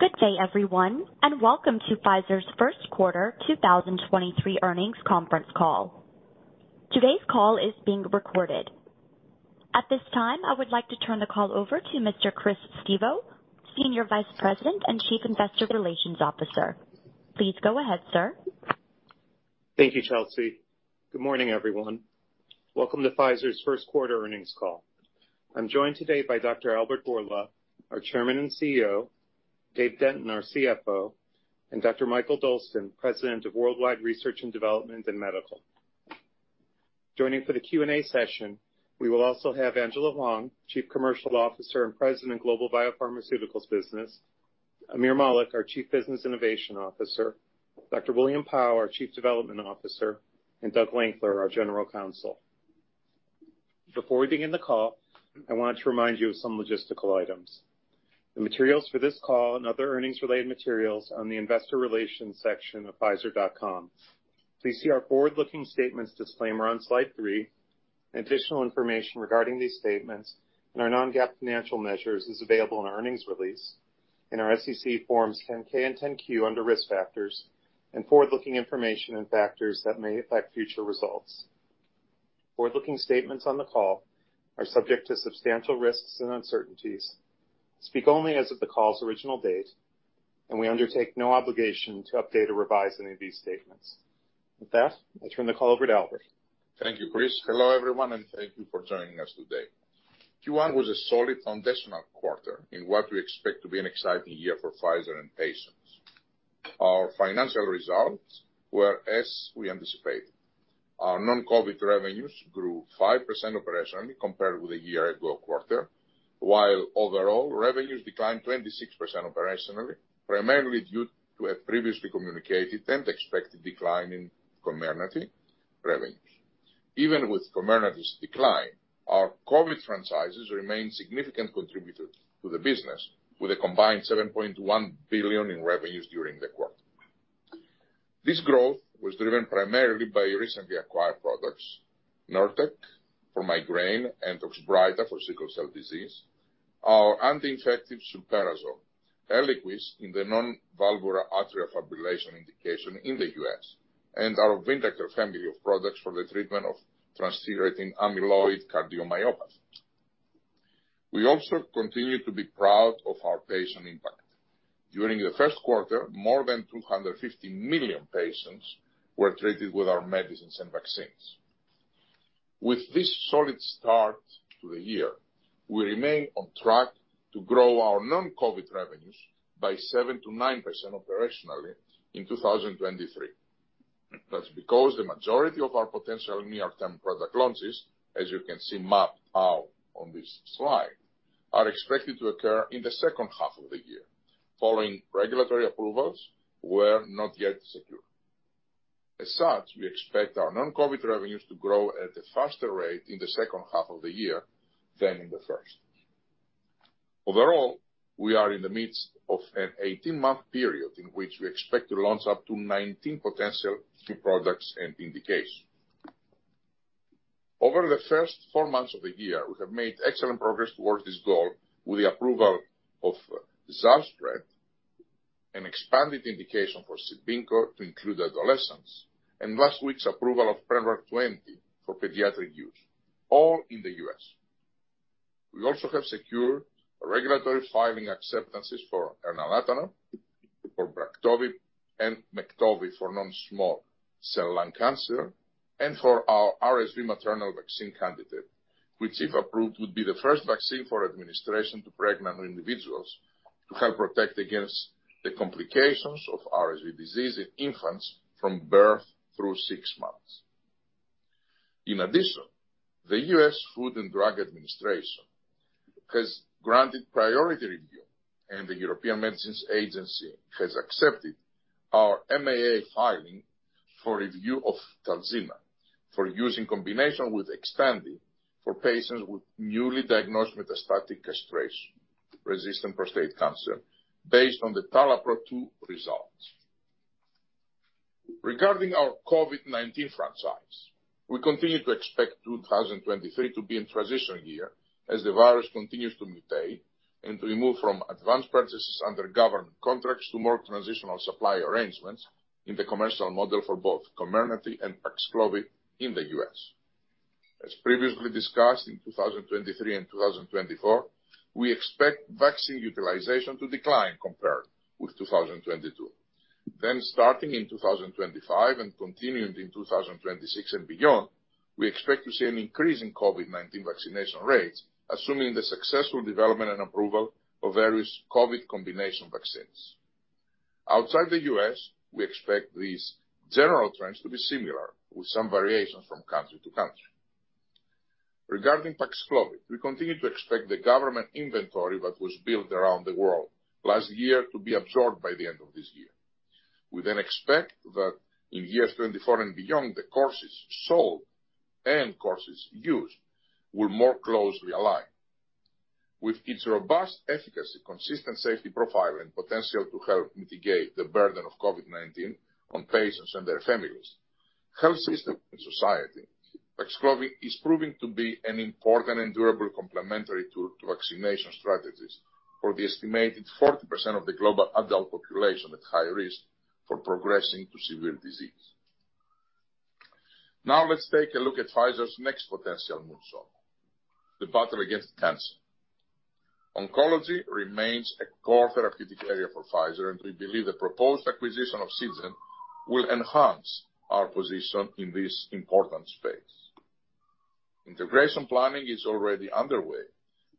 Good day, everyone, welcome to Pfizer's first quarter 2023 earnings conference call. Today's call is being recorded. At this time, I would like to turn the call over to Mr. Chris Stevo, Senior Vice President and Chief Investor Relations Officer. Please go ahead, sir. Thank you, Chelsea. Good morning, everyone. Welcome to Pfizer's first quarter earnings call. I'm joined today by Dr. Albert Bourla, our Chairman and CEO, Dave Denton, our CFO, and Dr. Mikael Dolsten, President of Worldwide Research and Development and Medical. Joining for the Q&A session, we will also have Angela Hwang, Chief Commercial Officer and President, Global Biopharmaceuticals Business, Aamir Malik, our Chief Business Innovation Officer, Dr. William Pao, our Chief Development Officer, and Doug Lankler, our General Counsel. Before we begin the call, I want to remind you of some logistical items. The materials for this call and other earnings-related materials on the investor relations section of pfizer.com. Please see our forward-looking statements disclaimer on slide 3. Additional information regarding these statements and our non-GAAP financial measures is available in our earnings release in our SEC forms 10-K and 10-Q under Risk Factors and forward-looking information and factors that may affect future results. Forward-looking statements on the call are subject to substantial risks and uncertainties, speak only as of the call's original date, we undertake no obligation to update or revise any of these statements. With that, I turn the call over to Albert. Thank you, Chris. Hello, everyone, and thank you for joining us today. Q1 was a solid foundational quarter in what we expect to be an exciting year for Pfizer and patients. Our financial results were as we anticipated. Our non-COVID revenues grew 5% operationally compared with a year ago quarter, while overall revenues declined 26% operationally, primarily due to a previously communicated and expected decline in Comirnaty revenues. Even with Comirnaty's decline, our COVID franchises remain significant contributors to the business with a combined $7.1 billion in revenues during the quarter. This growth was driven primarily by recently acquired products, Nurtec for migraine and Oxbryta for sickle cell disease, our anti-infective Sulperazon, Eliquis in the non-valvular atrial fibrillation indication in the U.S., and our Vyndaqel family of products for the treatment of transthyretin amyloid cardiomyopathy. We also continue to be proud of our patient impact. During the first quarter, more than 250 million patients were treated with our medicines and vaccines. With this solid start to the year, we remain on track to grow our non-COVID revenues by 7% to 9% operationally in 2023. That's because the majority of our potential near-term product launches, as you can see mapped out on this slide, are expected to occur in the second half of the year following regulatory approvals were not yet secure. As such, we expect our non-COVID revenues to grow at a faster rate in the second half of the year than in the first. Overall, we are in the midst of an 18-month period in which we expect to launch up to 19 potential new products and indications. Over the first 4 months of the year, we have made excellent progress towards this goal with the approval of Zavzpret, an expanded indication for Cibinqo to include adolescents, and last week's approval of Prevnar 20 for pediatric use, all in the U.S. We also have secured regulatory filing acceptances for elranatamab, for Braftovi, and Mektovi for non-small cell lung cancer, and for our RSV maternal vaccine candidate, which, if approved, would be the first vaccine for administration to pregnant individuals to help protect against the complications of RSV disease in infants from birth through 6 months. In addition, the U.S. Food and Drug Administration has granted priority review and the European Medicines Agency has accepted our MAA filing for review of TALZENNA for use in combination with Xtandi for patients with newly diagnosed metastatic castration-resistant prostate cancer based on the TALAPRO-2 results. Regarding our COVID-19 franchise, we continue to expect 2023 to be a transition year as the virus continues to mutate and to remove from advanced purchases under government contracts to more transitional supply arrangements in the commercial model for both Comirnaty and Paxlovid in the U.S. As previously discussed, in 2023 and 2024, we expect vaccine utilization to decline compared with 2022. Starting in 2025 and continuing in 2026 and beyond, we expect to see an increase in COVID-19 vaccination rates, assuming the successful development and approval of various COVID combination vaccines. Outside the U.S., we expect these general trends to be similar, with some variations from country to country. Regarding Paxlovid, we continue to expect the government inventory that was built around the world last year to be absorbed by the end of this year. We expect that in years 24 and beyond, the courses sold and courses used will more closely align. With its robust efficacy, consistent safety profile, and potential to help mitigate the burden of COVID-19 on patients and their families, health system and society. Paxlovid is proving to be an important and durable complementary to vaccination strategies for the estimated 40% of the global adult population at high risk for progressing to severe disease. Let's take a look at Pfizer's next potential moonshot, the battle against cancer. Oncology remains a core therapeutic area for Pfizer, we believe the proposed acquisition of Seagen will enhance our position in this important space. Integration planning is already underway.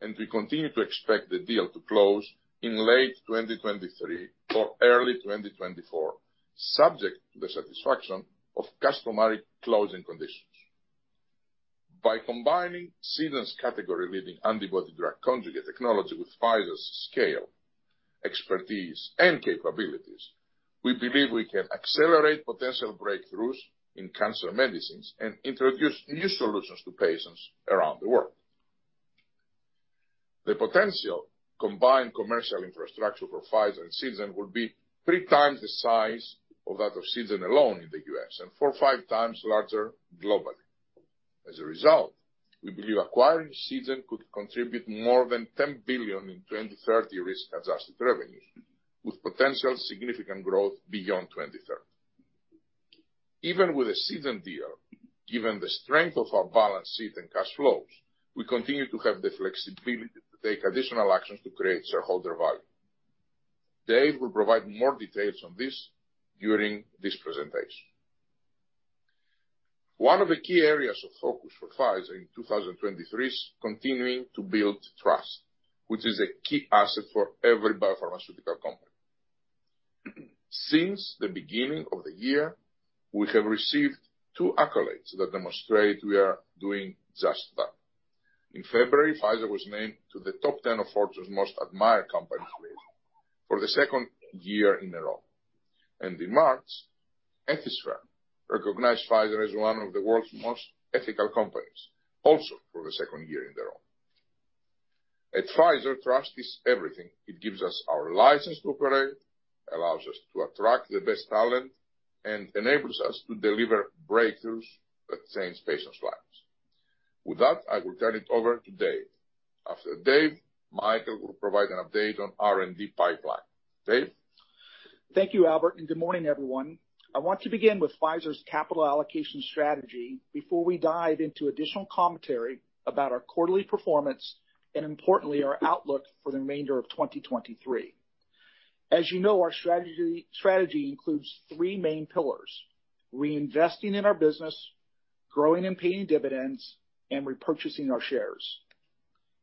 We continue to expect the deal to close in late 2023 or early 2024, subject to the satisfaction of customary closing conditions. By combining Seagen's category-leading antibody-drug conjugate technology with Pfizer's scale, expertise, and capabilities, we believe we can accelerate potential breakthroughs in cancer medicines and introduce new solutions to patients around the world. The potential combined commercial infrastructure for Pfizer and Seagen would be 3 times the size of that of Seagen alone in the U.S., and 4 to 5 times larger globally. We believe acquiring Seagen could contribute more than $10 billion in 2030 risk-adjusted revenues, with potential significant growth beyond 2030. Even with a Seagen deal, given the strength of our balance sheet and cash flows, we continue to have the flexibility to take additional actions to create shareholder value. Dave will provide more details on this during this presentation. One of the key areas of focus for Pfizer in 2023 is continuing to build trust, which is a key asset for every biopharmaceutical company. Since the beginning of the year, we have received two accolades that demonstrate we are doing just that. In February, Pfizer was named to the top 10 of Fortune's most admired companies list for the second year in a row. In March, Ethisphere recognized Pfizer as one of the world's most ethical companies, also for the second year in a row. At Pfizer, trust is everything. It gives us our license to operate, allows us to attract the best talent, and enables us to deliver breakthroughs that change patients' lives. With that, I will turn it over to Dave. After Dave, Mikael will provide an update on R&D pipeline. Dave? Thank you, Albert. Good morning, everyone. I want to begin with Pfizer's capital allocation strategy before we dive into additional commentary about our quarterly performance, importantly, our outlook for the remainder of 2023. As you know, our strategy includes three main pillars, reinvesting in our business, growing and paying dividends, and repurchasing our shares.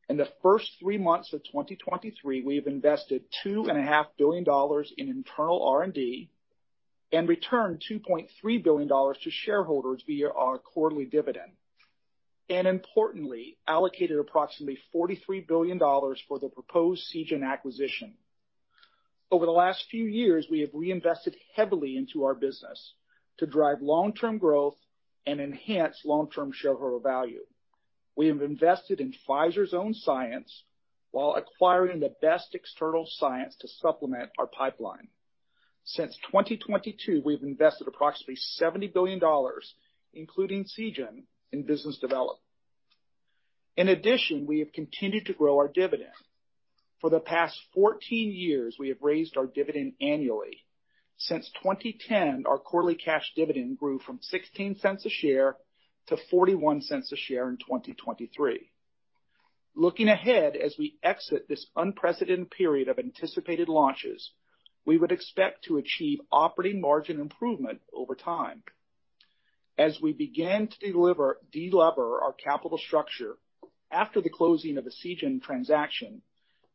In the first 3 months of 2023, we have invested two and a half billion dollars in internal R&D and returned $2.3 billion to shareholders via our quarterly dividend, importantly, allocated approximately $43 billion for the proposed Seagen acquisition. Over the last few years, we have reinvested heavily into our business to drive long-term growth and enhance long-term shareholder value. We have invested in Pfizer's own science while acquiring the best external science to supplement our pipeline. Since 2022, we've invested approximately $70 billion, including Seagen, in business development. In addition, we have continued to grow our dividend. For the past 14 years, we have raised our dividend annually. Since 2010, our quarterly cash dividend grew from $0.16 a share to $0.41 a share in 2023. Looking ahead as we exit this unprecedented period of anticipated launches, we would expect to achieve operating margin improvement over time. As we begin to delever our capital structure after the closing of the Seagen transaction,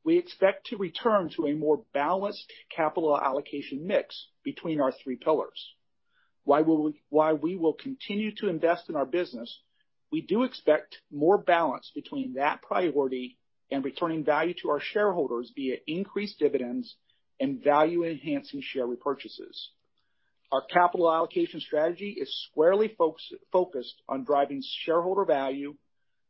we expect to return to a more balanced capital allocation mix between our three pillars. While we will continue to invest in our business, we do expect more balance between that priority and returning value to our shareholders via increased dividends and value-enhancing share repurchases. Our capital allocation strategy is squarely focused on driving shareholder value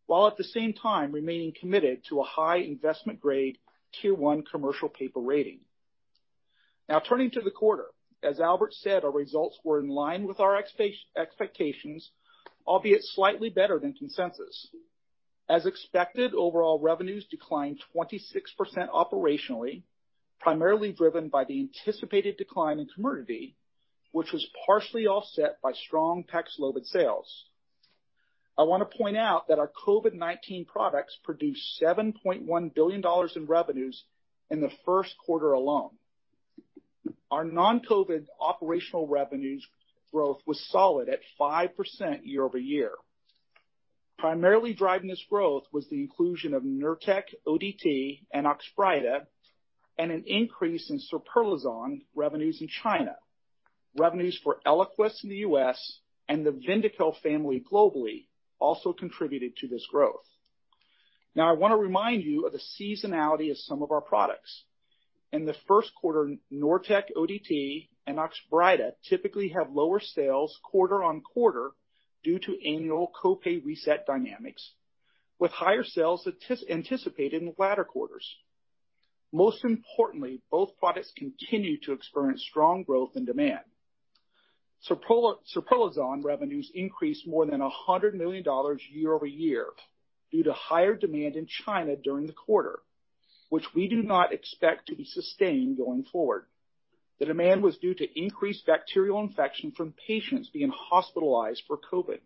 while at the same time remaining committed to a high investment grade Tier one commercial paper rating. Turning to the quarter, as Albert said, our results were in line with our expectations, albeit slightly better than consensus. As expected, overall revenues declined 26% operationally, primarily driven by the anticipated decline in Comirnaty, which was partially offset by strong Paxlovid sales. I wanna point out that our COVID-19 products produced $7.1 billion in revenues in the first quarter alone. Our non-COVID operational revenues growth was solid at 5% year-over-year. Primarily driving this growth was the inclusion of Nurtec ODT and Oxbryta, and an increase in SULPERAZON revenues in China. Revenues for Eliquis in the U.S. and the Vyndaqel family globally also contributed to this growth. Now, I wanna remind you of the seasonality of some of our products. In the first quarter, Nurtec ODT and Oxbryta typically have lower sales quarter-over-quarter due to annual co-pay reset dynamics, with higher sales anticipated in the latter quarters. Most importantly, both products continue to experience strong growth and demand. serpolizumab revenues increased more than $100 million year-over-year due to higher demand in China during the quarter, which we do not expect to be sustained going forward. The demand was due to increased bacterial infection from patients being hospitalized for COVID.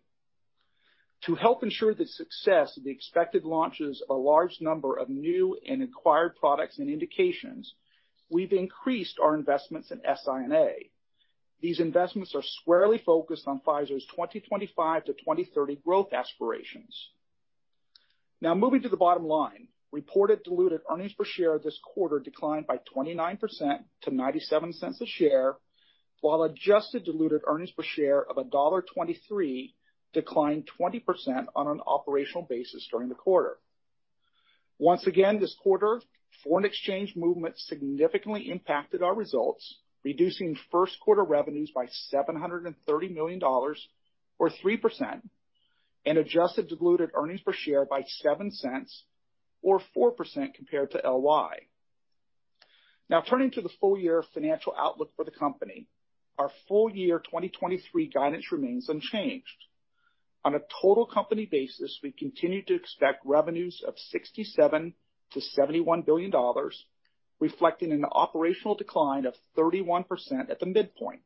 To help ensure the success of the expected launches of a large number of new and acquired products and indications, we've increased our investments in China. These investments are squarely focused on Pfizer's 2025-2030 growth aspirations. Moving to the bottom line, reported diluted earnings per share this quarter declined by 29% to $0.97 a share, while adjusted diluted earnings per share of $1.23 declined 20% on an operational basis during the quarter. Once again, this quarter, foreign exchange movement significantly impacted our results, reducing first quarter revenues by $730 million or 3%, and adjusted diluted earnings per share by $0.07 or 4% compared to LY. Turning to the full year financial outlook for the company. Our full year 2023 guidance remains unchanged. On a total company basis, we continue to expect revenues of $67 billion-$71 billion, reflecting an operational decline of 31% at the midpoint.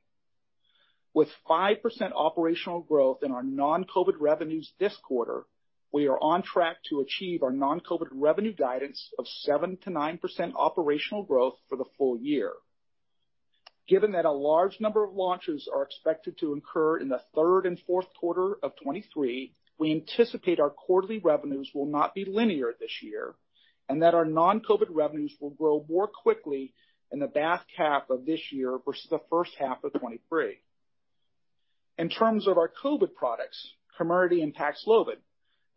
With 5% operational growth in our non-COVID revenues this quarter, we are on track to achieve our non-COVID revenue guidance of 7%-9% operational growth for the full year. Given that a large number of launches are expected to incur in the third and fourth quarter of 2023, we anticipate our quarterly revenues will not be linear this year, and that our non-COVID revenues will grow more quickly in the back half of this year versus the first half of 2023. In terms of our COVID products, Comirnaty and Paxlovid,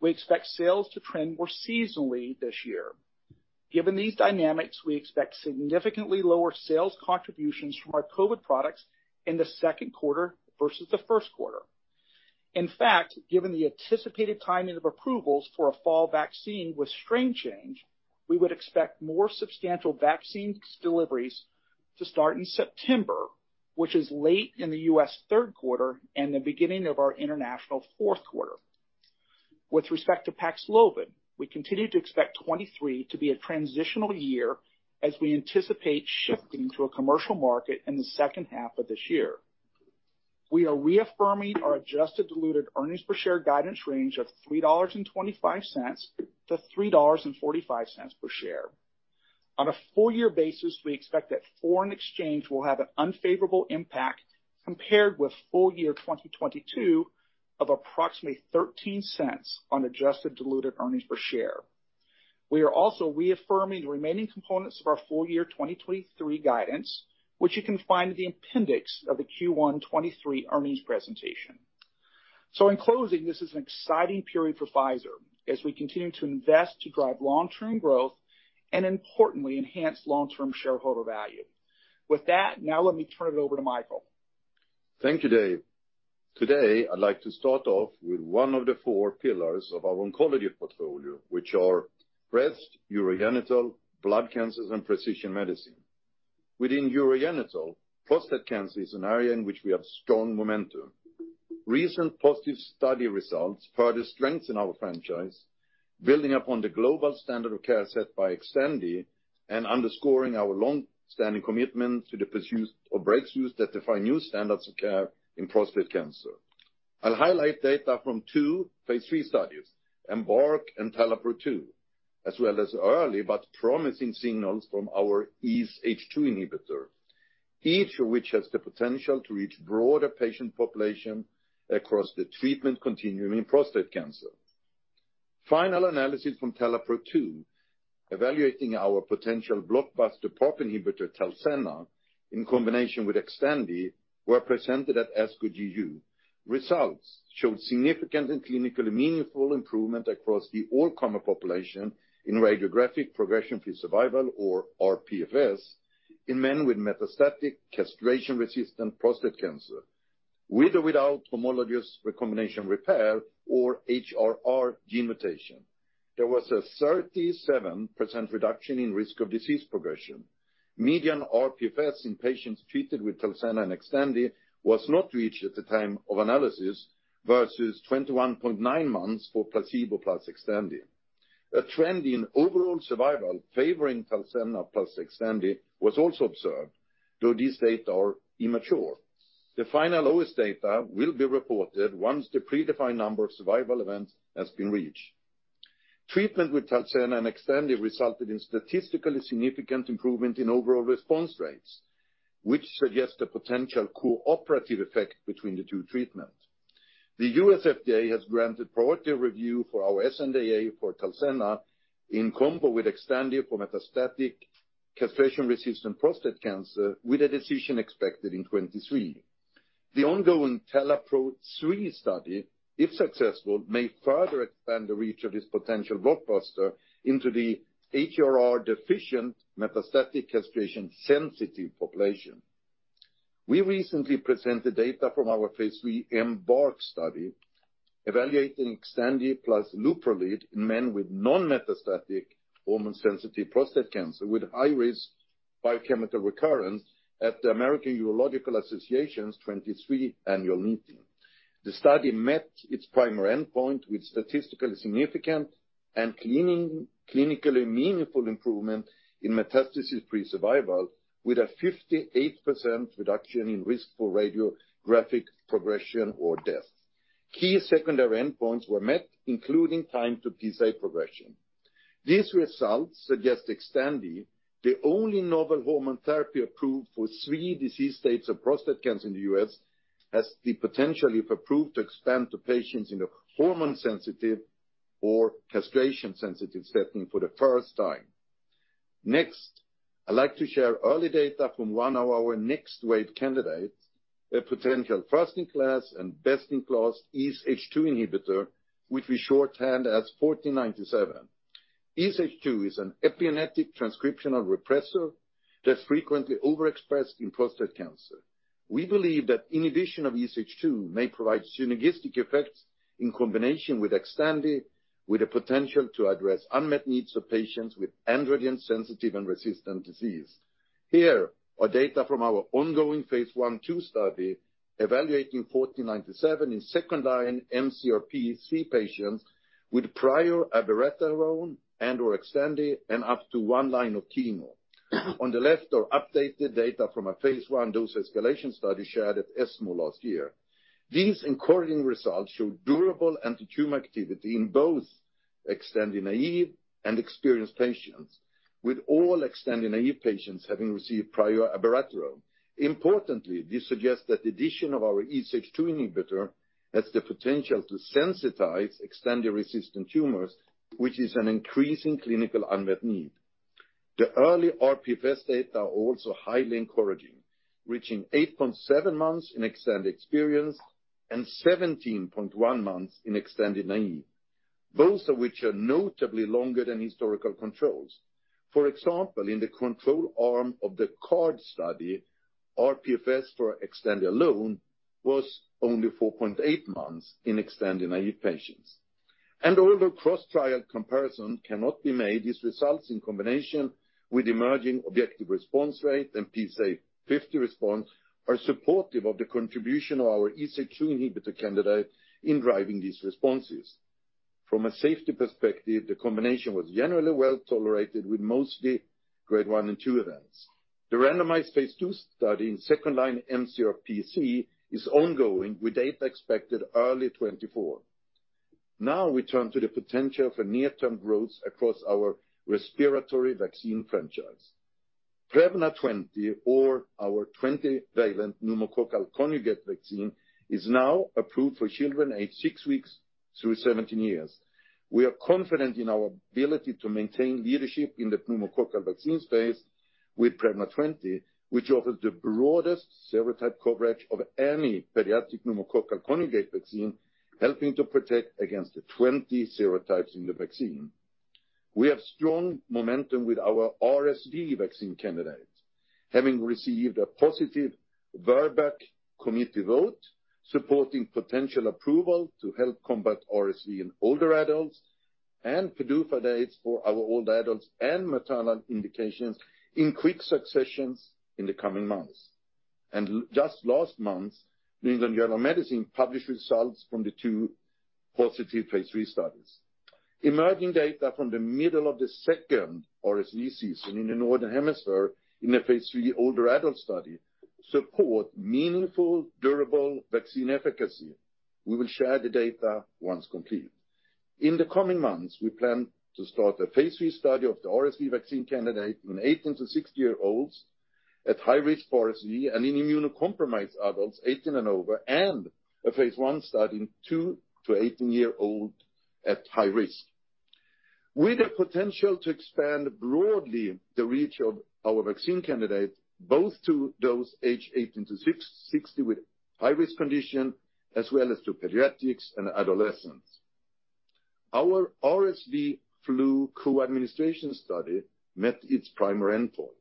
we expect sales to trend more seasonally this year. Given these dynamics, we expect significantly lower sales contributions from our COVID products in the second quarter versus the first quarter. In fact, given the anticipated timing of approvals for a fall vaccine with strain change, we would expect more substantial vaccine deliveries to start in September, which is late in the US third quarter and the beginning of our international fourth quarter. With respect to Paxlovid, we continue to expect 2023 to be a transitional year as we anticipate shifting to a commercial market in the second half of this year. We are reaffirming our adjusted diluted earnings per share guidance range of $3.25-$3.45 per share. On a full year basis, we expect that foreign exchange will have an unfavorable impact compared with full year 2022 of approximately $0.13 on adjusted diluted earnings per share. We are also reaffirming the remaining components of our full year 2023 guidance, which you can find in the appendix of the Q1 2023 earnings presentation. In closing, this is an exciting period for Pfizer as we continue to invest to drive long-term growth and importantly, enhance long-term shareholder value. With that, now let me turn it over to Mikael. Thank you, Dave. Today, I'd like to start off with one of the 4 pillars of our oncology portfolio, which are breast, urogenital, blood cancers, and precision medicine. Within urogenital, prostate cancer is an area in which we have strong momentum. Recent positive study results further strengthen our franchise, building upon the global standard of care set by Xtandi, underscoring our long-standing commitment to the pursuit of breakthroughs that define new standards of care in prostate cancer. I'll highlight data from 2 phase 3 studies, EMBARK and TALAPRO-2, as well as early but promising signals from our EZH2 inhibitor, each of which has the potential to reach broader patient population across the treatment continuum in prostate cancer. Final analysis from TALAPRO-2, evaluating our potential blockbuster PARP inhibitor, TALZENNA, in combination with Xtandi, were presented at ASCO GU. Results showed significant and clinically meaningful improvement across the all comer population in radiographic progression-free survival or RPFS in men with metastatic castration-resistant prostate cancer, with or without homologous recombination repair or HRR gene mutation. There was a 37% reduction in risk of disease progression. Median RPFS in patients treated with TALZENNA and Xtandi was not reached at the time of analysis, versus 21.9 months for placebo plus Xtandi. A trend in overall survival favoring TALZENNA plus Xtandi was also observed, though these data are immature. The final OS data will be reported once the predefined number of survival events has been reached. Treatment with TALZENNA and Xtandi resulted in statistically significant improvement in overall response rates, which suggests a potential cooperative effect between the two treatments. The U.S. FDA has granted priority review for our sNDA for TALZENNA in combo with Xtandi for metastatic castration-resistant prostate cancer, with a decision expected in 23. The ongoing TALAPRO-3 study, if successful, may further expand the reach of this potential blockbuster into the HRR-deficient metastatic castration-sensitive population. We recently presented data from our phase III EMBARK study evaluating Xtandi plus leuprolide in men with non-metastatic hormone-sensitive prostate cancer with high risk biochemical recurrence at the American Urological Association's 23 annual meeting. The study met its primary endpoint with statistically significant and clinically meaningful improvement in metastasis-free survival, with a 58% reduction in risk for radiographic progression or death. Key secondary endpoints were met, including time to PSA progression. These results suggest Xtandi, the only novel hormone therapy approved for 3 disease states of prostate cancer in the US, has the potential, if approved, to expand to patients in a hormone-sensitive or castration-sensitive setting for the first time. Next, I'd like to share early data from one of our next wave candidates, a potential first-in-class and best-in-class EZH2 inhibitor, which we shorthand as 1497. EZH2 is an epigenetic transcriptional repressor that's frequently overexpressed in prostate cancer. We believe that inhibition of EZH2 may provide synergistic effects in combination with Xtandi, with the potential to address unmet needs of patients with androgen-sensitive and resistant disease. Here are data from our ongoing phase I/II study evaluating 1497 in second-line mCRPC patients with prior abiraterone and/or Xtandi and up to 1 line of chemo. On the left are updated data from a phase 1 dose-escalation study shared at ESMO last year. These encouraging results show durable antitumor activity in both Xtandi naive and experienced patients, with all Xtandi-naive patients having received prior abiraterone. Importantly, this suggests that the addition of our EZH2 inhibitor has the potential to sensitize Xtandi-resistant tumors, which is an increasing clinical unmet need. The early RPFS data are also highly encouraging, reaching 8.7 months in Xtandi-experienced and 17.1 months in Xtandi-naive, both of which are notably longer than historical controls. For example, in the control arm of the CARD study, RPFS for Xtandi alone was only 4.8 months in Xtandi-naive patients. Although cross-trial comparison cannot be made, these results in combination with emerging objective response rate and PSA 50 response are supportive of the contribution of our EZH2 inhibitor candidate in driving these responses. From a safety perspective, the combination was generally well-tolerated with mostly grade 1 and 2 events. The randomized phase 2 study in second-line mCRPC is ongoing, with data expected early 2024. Now we turn to the potential for near-term growth across our respiratory vaccine franchise. Prevnar 20, or our 20-valent pneumococcal conjugate vaccine, is now approved for children aged 6 weeks through 17 years. We are confident in our ability to maintain leadership in the pneumococcal vaccine space with Prevnar 20, which offers the broadest serotype coverage of any pediatric pneumococcal conjugate vaccine, helping to protect against the 20 serotypes in the vaccine. We have strong momentum with our RSV vaccine candidate, having received a positive VRBPAC committee vote supporting potential approval to help combat RSV in older adults and PDUFA dates for our old adults and maternal indications in quick successions in the coming months. Just last month, New England Journal of Medicine published results from the 2 positive phase 3 studies. Emerging data from the middle of the second RSV season in the Northern Hemisphere in a phase 3 older adult study support meaningful, durable vaccine efficacy. We will share the data once complete. In the coming months, we plan to start a phase 3 study of the RSV vaccine candidate in 18- to 60-year-olds at high risk for RSV and in immunocompromised adults 18 and over, and a phase 1 study in 2- to 18-year-olds at high risk. With the potential to expand broadly the reach of our vaccine candidate, both to those aged 18 to 660 with high-risk condition as well as to pediatrics and adolescents. Our RSV flu co-administration study met its primary endpoint,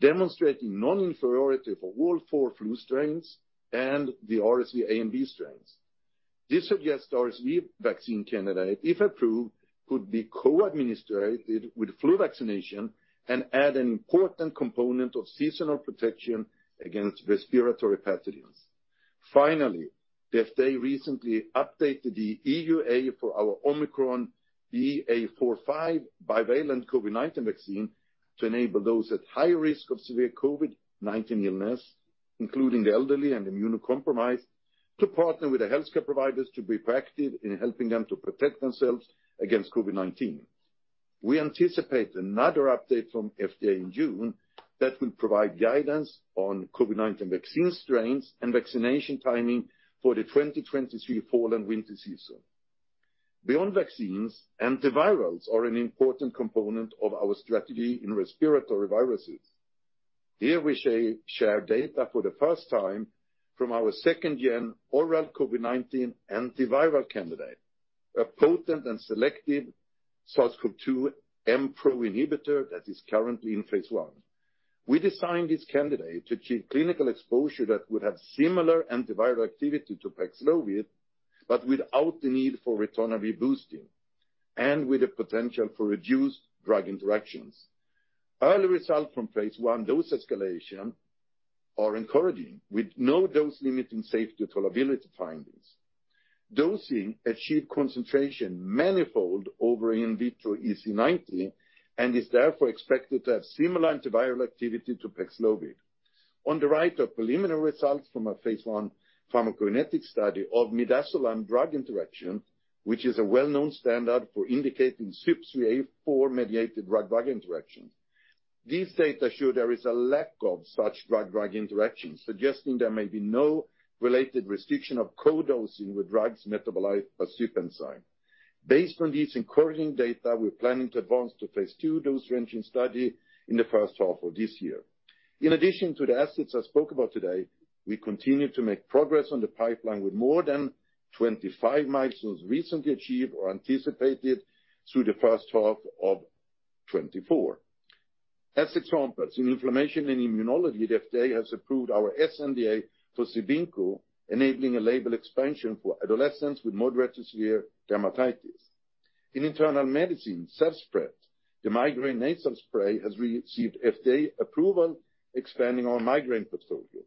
demonstrating non-inferiority for all four flu strains and the RSV A and B strains. This suggests RSV vaccine candidate, if approved, could be co-administrated with flu vaccination and add an important component of seasonal protection against respiratory pathogens. Finally, the FDA recently updated the EUA for our Omicron BA.4/5 bivalent COVID-19 vaccine to enable those at high risk of severe COVID-19 illness, including the elderly and immunocompromised, to partner with the healthcare providers to be proactive in helping them to protect themselves against COVID-19. We anticipate another update from FDA in June that will provide guidance on COVID-19 vaccine strains and vaccination timing for the 2023 fall and winter season. Beyond vaccines, antivirals are an important component of our strategy in respiratory viruses. Here we share data for the first time from our second-gen oral COVID-19 antiviral candidate. A potent and selective SARS-CoV-2 Mpro inhibitor that is currently in phase 1. We designed this candidate to achieve clinical exposure that would have similar antiviral activity to Paxlovid, but without the need for ritonavir boosting and with the potential for reduced drug interactions. Early results from phase 1 dose escalation are encouraging, with no dose limiting safety tolerability findings. Dosing achieved concentration manifold over in vitro EC 90 and is therefore expected to have similar antiviral activity to Paxlovid. On the right are preliminary results from a phase 1 pharmacokinetic study of midazolam drug interaction, which is a well-known standard for indicating CYP3A4-mediated drug-drug interactions. These data show there is a lack of such drug-drug interactions, suggesting there may be no related restriction of co-dosing with drugs metabolized by CYP enzyme. Based on these encouraging data, we're planning to advance to phase 2 dose ranging study in the first half of this year. In addition to the assets I spoke about today, we continue to make progress on the pipeline with more than 25 milestones recently achieved or anticipated through the first half of 2024. As examples, in inflammation and immunology, the FDA has approved our sNDA for Cibinqo, enabling a label expansion for adolescents with moderate to severe dermatitis. In internal medicine, Zavzpret, the migraine nasal spray, has received FDA approval, expanding our migraine portfolio.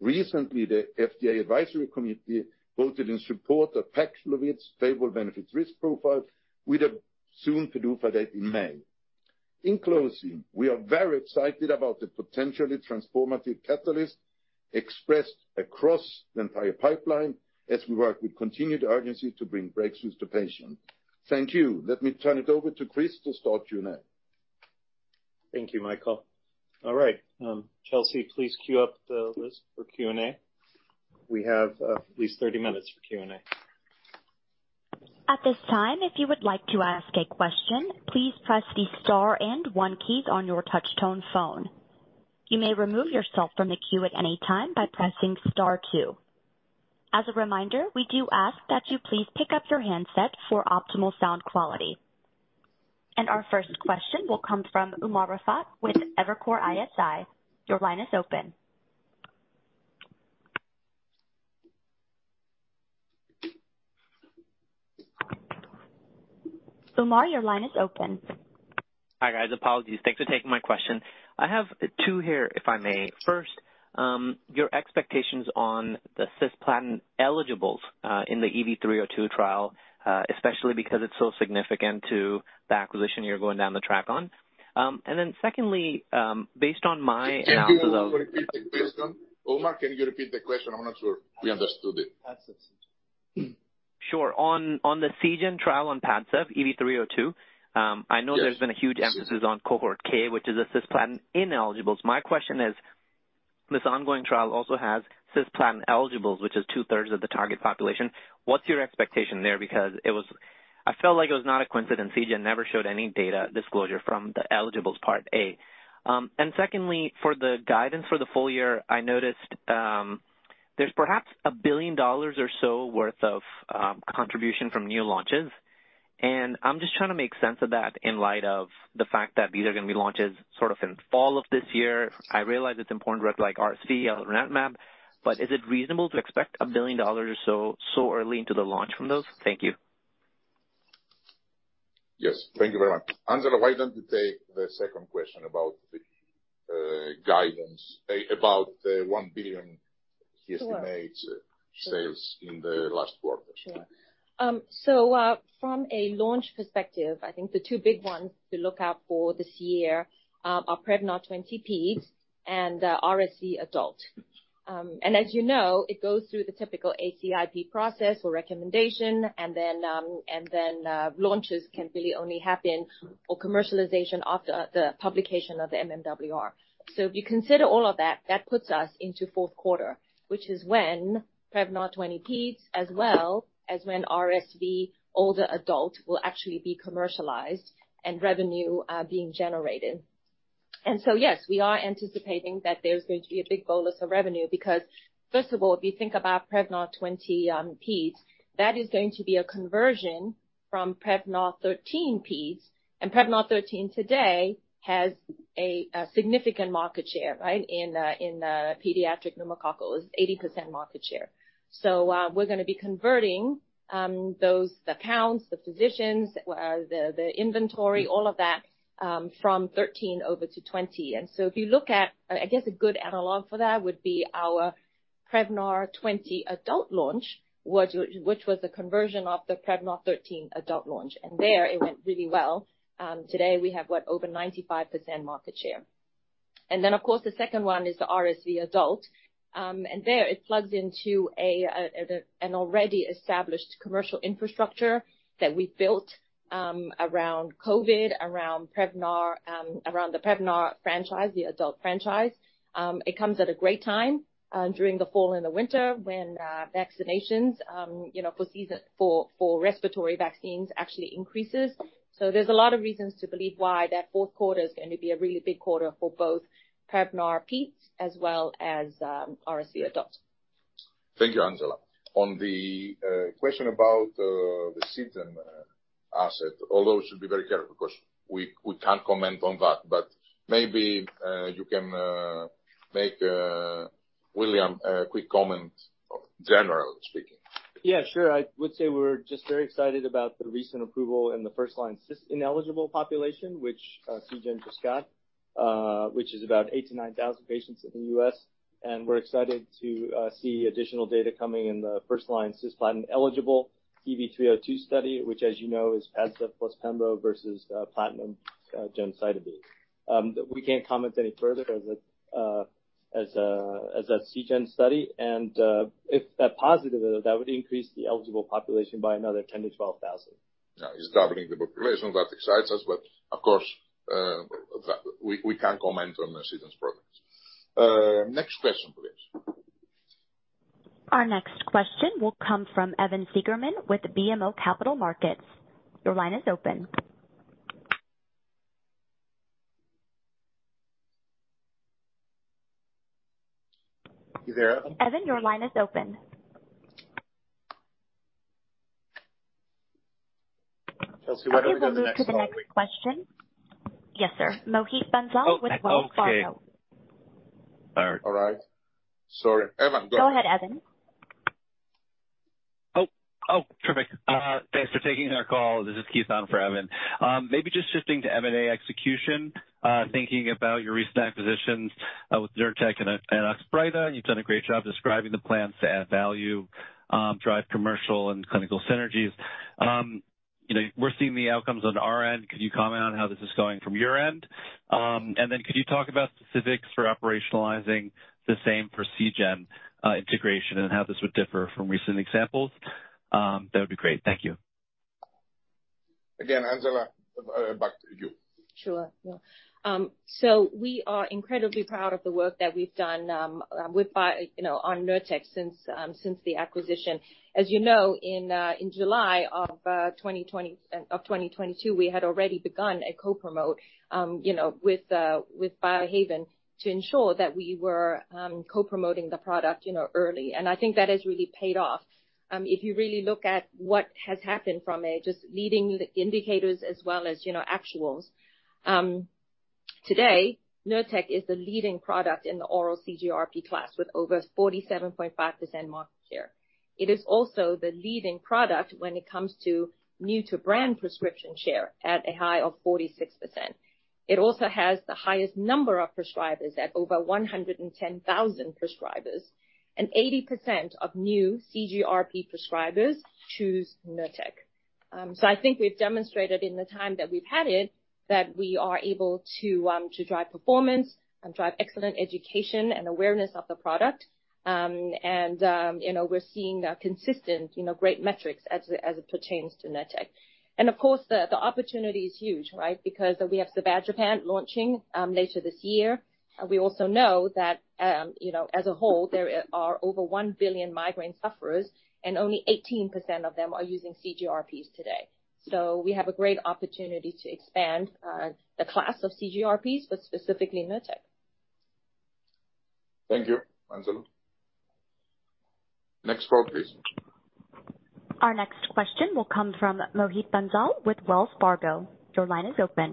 Recently, the FDA advisory committee voted in support of Paxlovid's favorable benefits risk profile with a soon-to-do for date in May. In closing, we are very excited about the potentially transformative catalyst expressed across the entire pipeline as we work with continued urgency to bring breakthroughs to patients. Thank you. Let me turn it over to Chris to start Q&A. Thank you, Mikael. All right, Chelsea, please queue up the list for Q&A. We have at least 30 minutes for Q&A. At this time, if you would like to ask a question, please press the star and one key on your touch tone phone. You may remove yourself from the queue at any time by pressing star two. As a reminder, we do ask that you please pick up your handset for optimal sound quality. Our first question will come from Umer Raffat with Evercore ISI. Your line is open. Umer, your line is open. Hi, guys. Apologies. Thanks for taking my question. I have two here, if I may. First, your expectations on the cisplatin eligibles in the EV-302 trial, especially because it's so significant to the acquisition you're going down the track on. Then secondly, based on my analysis. Can you repeat the question? Umer, can you repeat the question? I'm not sure we understood it. Sure. On the Seagen trial on PADCEV, EV-302, Yes. I know there's been a huge emphasis on cohort K, which is a cisplatin ineligibles. My question is, this ongoing trial also has cisplatin eligibles, which is two-thirds of the target population. What's your expectation there? I felt like it was not a coincidence. Seagen never showed any data disclosure from the eligibles part A. Secondly, for the guidance for the full year, I noticed, there's perhaps $1 billion or so worth of contribution from new launches, and I'm just trying to make sense of that in light of the fact that these are gonna be launches sort of in fall of this year. I realize it's important to rep like RSC or tanezumab, but is it reasonable to expect $1 billion or so early into the launch from those? Thank you. Yes, thank you very much. Angela, why don't you take the second question about the guidance, about the $1 billion he estimates sales in the last quarter? Sure. From a launch perspective, I think the two big ones to look out for this year are Prevnar 20 P and RSV adult. As you know, it goes through the typical ACIP process or recommendation and then launches can really only happen or commercialization after the publication of the MMWR. If you consider all of that puts us into fourth quarter, which is when Prevnar 20 P as well as when RSV older adult will actually be commercialized and revenue being generated. Yes, we are anticipating that there's going to be a big bolus of revenue because first of all, if you think about Prevnar 20 P, that is going to be a conversion from Prevnar 13 P. Prevnar 13 today has a significant market share, right, in pediatric pneumococcal. It's 80% market share. We're gonna be converting those accounts, the physicians, the inventory, all of that, from 13 over to 20. I guess a good analog for that would be our Prevnar 20 adult launch, which was a conversion of the Prevnar 13 adult launch. There it went really well. Today we have, what? Over 95% market share. Of course, the second one is the RSV adult. There it plugs into an already established commercial infrastructure that we built around COVID, around Prevnar, around the Prevnar franchise, the adult franchise. It comes at a great time, during the fall and the winter when, vaccinations, you know, for season, for respiratory vaccines actually increases. There's a lot of reasons to believe why that fourth quarter is going to be a really big quarter for both Prevnar 20 as well as, RSV adult. Thank you, Angela. On the question about the Seagen asset, although should be very careful because we can't comment on that, but maybe you can make William a quick comment, generally speaking. Yeah, sure. I would say we're just very excited about the recent approval in the first line cis-ineligible population, which Seagen just got, which is about 8,000-9,000 patients in the U.S. We're excited to see additional data coming in the first line cisplatin-eligible PV 302 study, which as you know, is sasanlimab plus pembrolizumab versus platinum gemcitabine. We can't comment any further as a Seagen study, and if that positive, that would increase the eligible population by another 10,000-12,000. Yeah. It's doubling the population. That excites us, but of course, we can't comment on Seagen's progress. Next question, please. Our next question will come from Evan Seigerman with the BMO Capital Markets. Your line is open. Is he there? Evan, your line is open. Chelsea, why don't we go to the next one? Okay. We'll go to the next question. Yes, sir. Mohit Bansal with Wells Fargo. Oh, okay. All right. All right. Sorry. Evan, go ahead. Go ahead, Evan. Terrific. Thanks for taking our call. This is Keith on for Evan. Maybe just shifting to M&A execution, thinking about your recent acquisitions, with Nurtec and Oxbryta. You've done a great job describing the plans to add value, drive commercial and clinical synergies. You know, we're seeing the outcomes on our end. Could you comment on how this is going from your end? Could you talk about specifics for operationalizing the same for Seagen, integration and how this would differ from recent examples? That would be great. Thank you. Again, Angela, back to you. Sure. Yeah. We are incredibly proud of the work that we've done, you know, on Nurtec since the acquisition. As you know, in July of 2022, we had already begun a co-promote, you know, with Biohaven to ensure that we were co-promoting the product, you know, early. I think that has really paid off. If you really look at what has happened from it, just leading indicators as well as, you know, actuals. Today, Nurtec is the leading product in the oral CGRP class with over 47.5% market share. It is also the leading product when it comes to new to brand prescription share at a high of 46%. It also has the highest number of prescribers at over 110,000 prescribers, and 80% of new CGRP prescribers choose Nurtec. I think we've demonstrated in the time that we've had it that we are able to drive performance and drive excellent education and awareness of the product. You know, we're seeing consistent, you know, great metrics as it pertains to Nurtec. Of course, the opportunity is huge, right? Because we have Zavzpret launching later this year. We also know that, you know, as a whole, there are over 1 billion migraine sufferers, and only 18% of them are using CGRPs today. We have a great opportunity to expand the class of CGRPs, but specifically Nurtec. Thank you, Angela. Next call, please. Our next question will come from Mohit Bansal with Wells Fargo. Your line is open.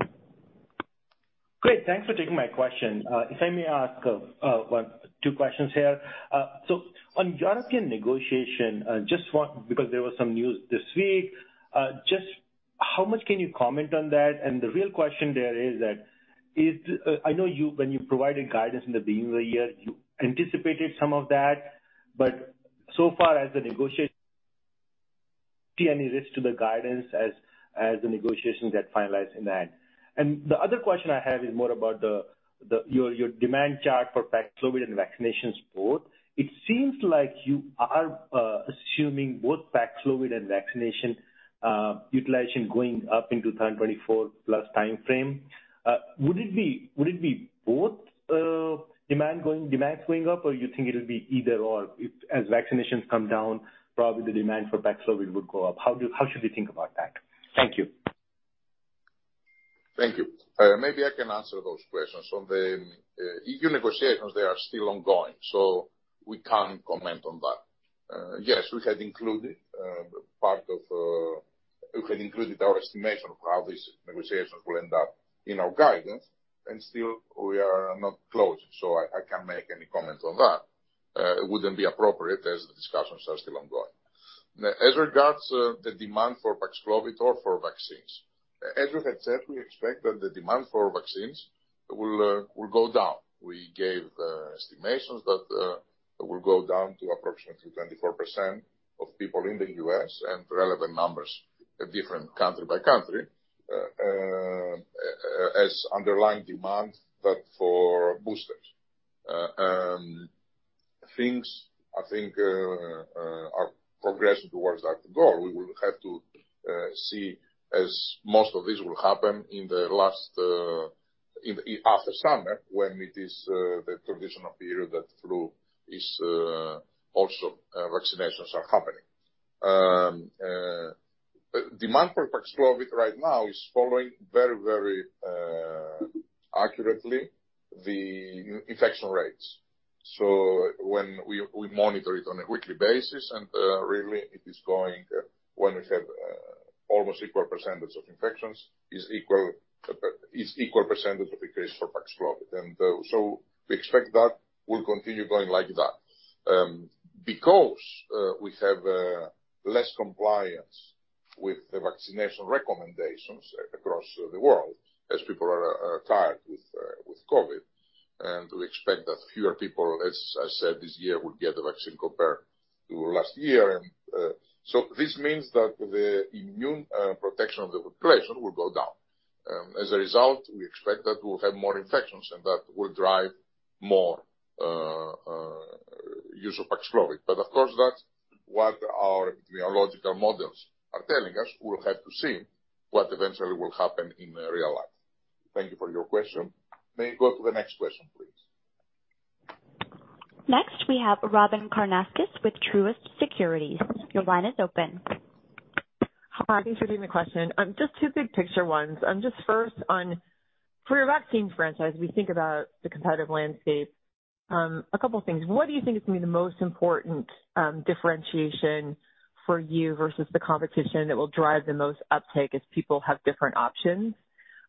Great. Thanks for taking my question. If I may ask, 1, 2 questions here. So on European negotiation, just want because there was some news this week, just how much can you comment on that? The real question there is that is, I know you when you provided guidance in the beginning of the year, you anticipated some of that. So far as the negotiation, see any risk to the guidance as the negotiations get finalized in the end? The other question I have is more about your demand chart for Paxlovid and vaccination support. It seems like you are assuming both Paxlovid and vaccination utilization going up into 2024 plus timeframe. Would it be both, demands going up, or you think it'll be either or if as vaccinations come down, probably the demand for Paxlovid would go up? How should we think about that? Thank you. Thank you. Maybe I can answer those questions. On the EU negotiations, they are still ongoing. We can't comment on that. Yes, we had included part of we had included our estimation of how these negotiations will end up in our guidance. Still we are not close. I can't make any comments on that. It wouldn't be appropriate as the discussions are still ongoing. As regards the demand for Paxlovid or for vaccines, as we had said, we expect that the demand for vaccines will go down. We gave estimations that will go down to approximately 24% of people in the U.S. and relevant numbers at different country by country as underlying demand for boosters. Things I think are progressing towards that goal. We will have to see as most of this will happen in the last, after summer, when it is the traditional period that flu is also vaccinations are happening. Demand for Paxlovid right now is following very accurately the infection rates. When we monitor it on a weekly basis, really it is going when we have almost equal percentage of infections is equal percentage of the case for Paxlovid. We expect that will continue going like that. Because we have less compliance with the vaccination recommendations across the world as people are tired with COVID, we expect that fewer people, as I said this year, will get the vaccine compared to last year. So this means that the immune protection of the population will go down. As a result, we expect that we'll have more infections and that will drive more use of Paxlovid. Of course, that's what our epidemiological models are telling us. We'll have to see what eventually will happen in real life. Thank you for your question. May go to the next question, please. Next we have Robyn Karnauskas with Truist Securities. Your line is open. Hi. Thanks for taking the question. Just two big picture ones. Just first on for your vaccine franchise, we think about the competitive landscape. A couple of things. What do you think is gonna be the most important, differentiation for you versus the competition that will drive the most uptake as people have different options?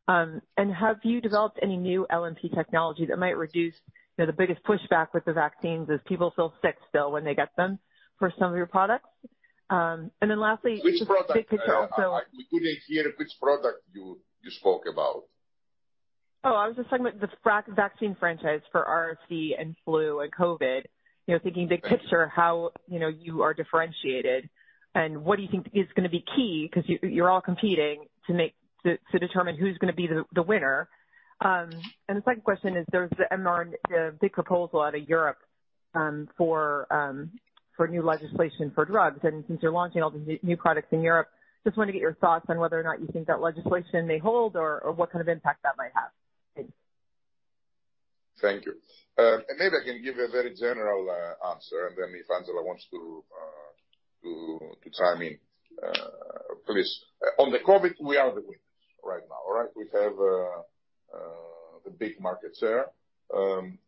Have you developed any new LNP technology that might reduce, you know, the biggest pushback with the vaccines is people feel sick still when they get them for some of your products. Then lastly. Which product? Just big picture also. We couldn't hear which product you spoke about. I was just talking about the vaccine franchise for RSV and flu and COVID. You know, thinking big picture, how, you know, you are differentiated and what do you think is gonna be key, 'cause you're all competing to determine who's gonna be the winner. The second question is there's the MRN, the big proposal out of Europe, for new legislation for drugs, and since you're launching all the new products in Europe, just want to get your thoughts on whether or not you think that legislation may hold or what kind of impact that might have. Thanks. Thank you. Maybe I can give a very general answer, and then if Angela wants to chime in, please. On the COVID, we are the winners right now, all right? We have the big markets there, and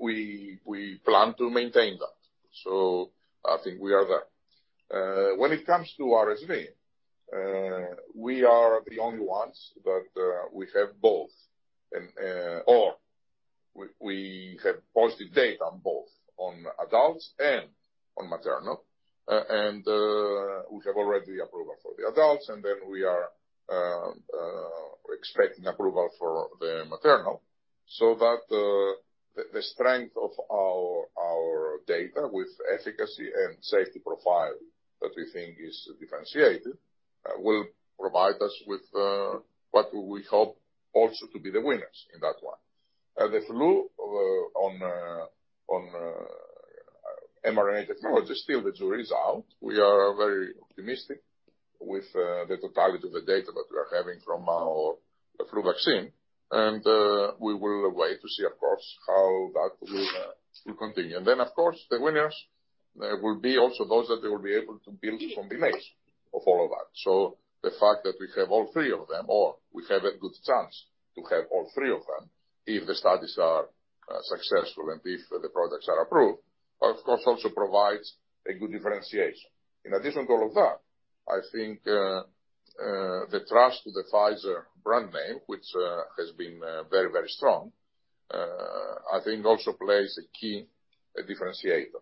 we plan to maintain that. I think we are that. When it comes to RSV, we are the only ones that we have both and or we have positive data on both on adults and on maternal. We have already approval for the adults, and then we are expecting approval for the maternal. That the strength of our data with efficacy and safety profile that we think is differentiated, will provide us with what we hope also to be the winners in that one. The flu on mRNA technology, still the jury's out. We are very optimistic with the totality of the data that we are having from our flu vaccine. We will wait to see, of course, how that will continue. Of course, the winners will be also those that they will be able to build combinations of all of that. The fact that we have all three of them, or we have a good chance to have all three of them, if the studies are successful and if the products are approved, of course, also provides a good differentiation. In addition to all of that, I think the trust of the Pfizer brand name, which has been very strong, I think also plays a key differentiator.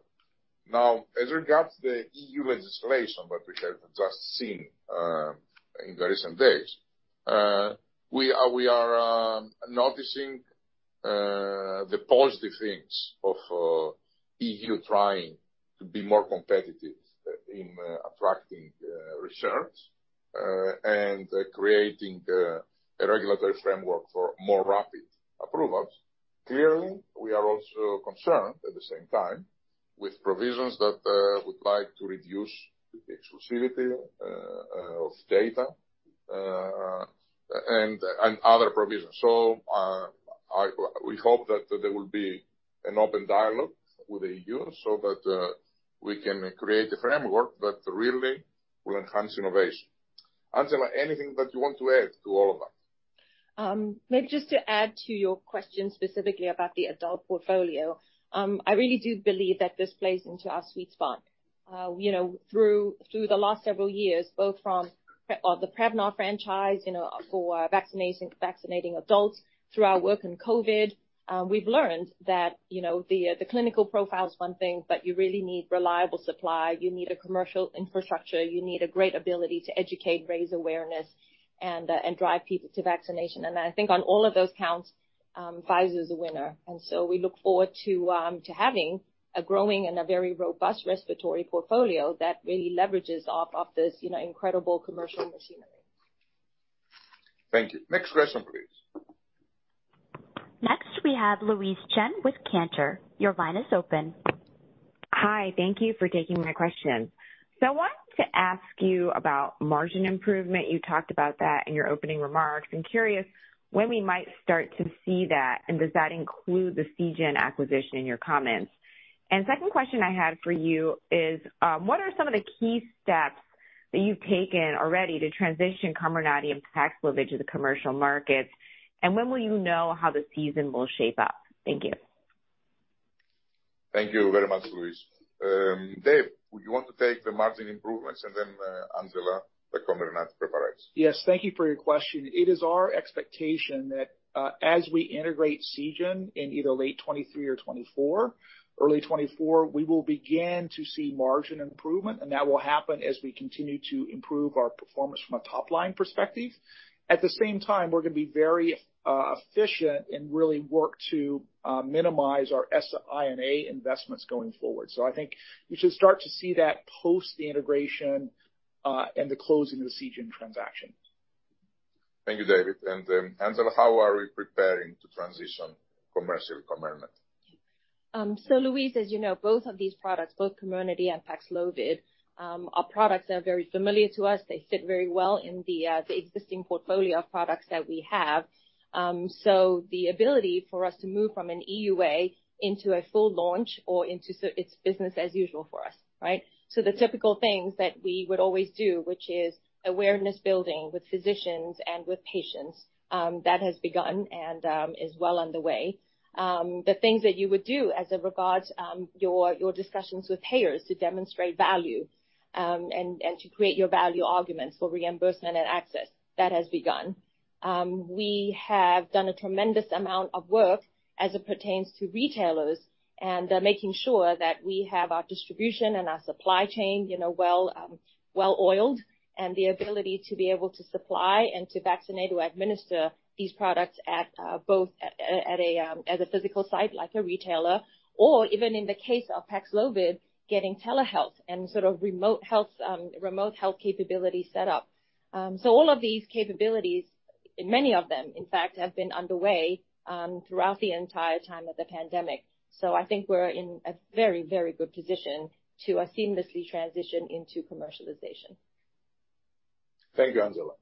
As regards to the EU legislation that we have just seen in recent days, we are noticing the positive things of EU trying to be more competitive in attracting research and creating a regulatory framework for more rapid approvals. Clearly, we are also concerned at the same time with provisions that would like to reduce the exclusivity of data and other provisions. We hope that there will be an open dialogue with the EU so that we can create a framework that really will enhance innovation. Angela, anything that you want to add to all of that? Maybe just to add to your question specifically about the adult portfolio. I really do believe that this plays into our sweet spot. You know, through the last several years, both from the Prevnar franchise, you know, for vaccinating adults through our work in COVID, we've learned that, you know, the clinical profile is one thing, but you really need reliable supply, you need a commercial infrastructure, you need a great ability to educate, raise awareness and drive people to vaccination. I think on all of those counts, Pfizer is a winner. We look forward to having a growing and a very robust respiratory portfolio that really leverages off this, you know, incredible commercial machinery. Thank you. Next question, please. Next we have Louise Chen with Cantor. Your line is open. Hi. Thank you for taking my question. I wanted to ask you about margin improvement. You talked about that in your opening remarks. I'm curious when we might start to see that, and does that include the Seagen acquisition in your comments? Second question I had for you is, what are some of the key steps that you've taken already to transition Comirnaty and Paxlovid to the commercial markets, and when will you know how the season will shape up? Thank you. Thank you very much, Louise. Dave, would you want to take the margin improvements and then, Angela, the Comirnaty preparations? Thank you for your question. It is our expectation that, as we integrate Seagen in either late 23 or 24, early 24, we will begin to see margin improvement, and that will happen as we continue to improve our performance from a top-line perspective. At the same time, we're gonna be very efficient and really work to minimize our China investments going forward. I think you should start to see that post the integration, and the closing of the Seagen transaction. Thank you, David. Angela, how are we preparing to transition commercial Comirnaty? Louise, as you know, both of these products, both Comirnaty and Paxlovid, are products that are very familiar to us. They fit very well in the existing portfolio of products that we have. The ability for us to move from an EUA into a full launch or into it's business as usual for us, right? The typical things that we would always do, which is awareness building with physicians and with patients, that has begun and is well underway. The things that you would do as it regards your discussions with payers to demonstrate value and to create your value arguments for reimbursement and access, that has begun. We have done a tremendous amount of work as it pertains to retailers and making sure that we have our distribution and our supply chain, you know, well, well-oiled, and the ability to be able to supply and to vaccinate or administer these products at, both at a, as a physical site like a retailer or even in the case of Paxlovid, getting telehealth and sort of remote health capability set up. All of these capabilities, many of them, in fact, have been underway, throughout the entire time of the pandemic. I think we're in a very, very good position to seamlessly transition into commercialization. Thank you, Angela.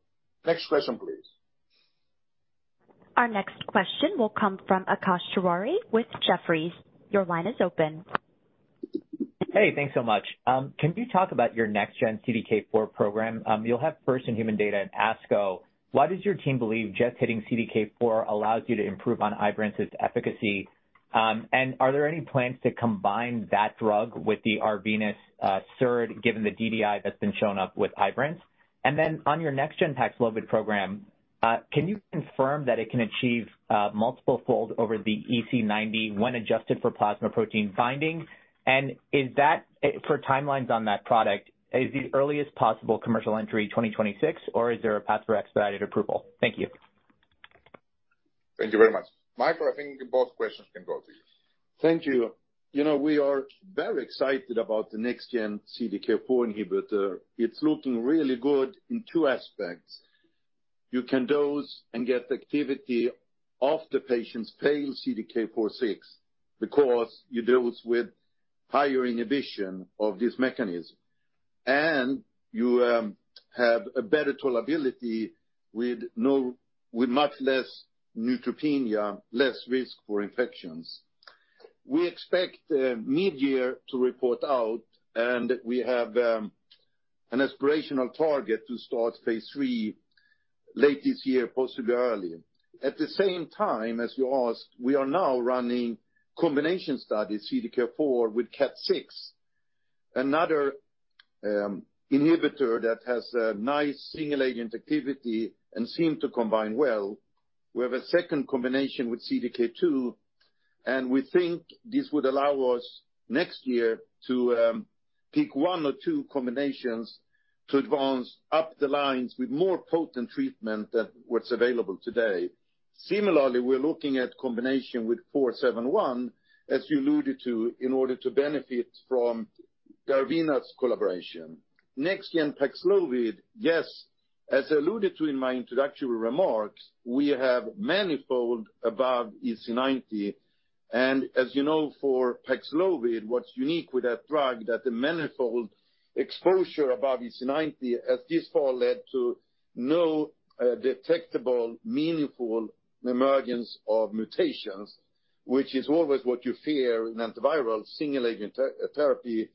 Next question, please. Our next question will come from Akash Tewari with Jefferies. Your line is open. Hey, thanks so much. Can you talk about your next gen CDK4 program? You'll have first in human data at ASCO. Why does your team believe just hitting CDK4 allows you to improve on Ibrance's efficacy? Are there any plans to combine that drug with the Arvinas SERD given the DDI that's been shown up with Ibrance? On your next gen Paxlovid program, can you confirm that it can achieve multiple fold over the EC90 when adjusted for plasma protein binding? For timelines on that product, is the earliest possible commercial entry 2026, or is there a path for expedited approval? Thank you. Thank you very much. Mikael, I think both questions can go to you. Thank you. You know, we are very excited about the next gen CDK4 inhibitor. It's looking really good in two aspects. You can dose and get activity of the patient's pale CDK4/6 because you dose with higher inhibition of this mechanism, you have a better tolerability with much less neutropenia, less risk for infections. We expect mid-year to report out, we have an aspirational target to start phase three late this year, possibly early. At the same time, as you asked, we are now running combination studies CDK4 with KAT6, another inhibitor that has a nice single agent activity and seem to combine well. We have a second combination with CDK2, we think this would allow us next year to pick one or two combinations to advance up the lines with more potent treatment than what's available today. Similarly, we're looking at combination with ARV-471, as you alluded to, in order to benefit from Arvinas collaboration. NextGen Paxlovid, yes, as I alluded to in my introductory remarks, we have manifold above EC90 and as you know for Paxlovid, what's unique with that drug that the manifold exposure above EC90 has this far led to no detectable meaningful emergence of mutations, which is always what you fear in antiviral single agent therapy.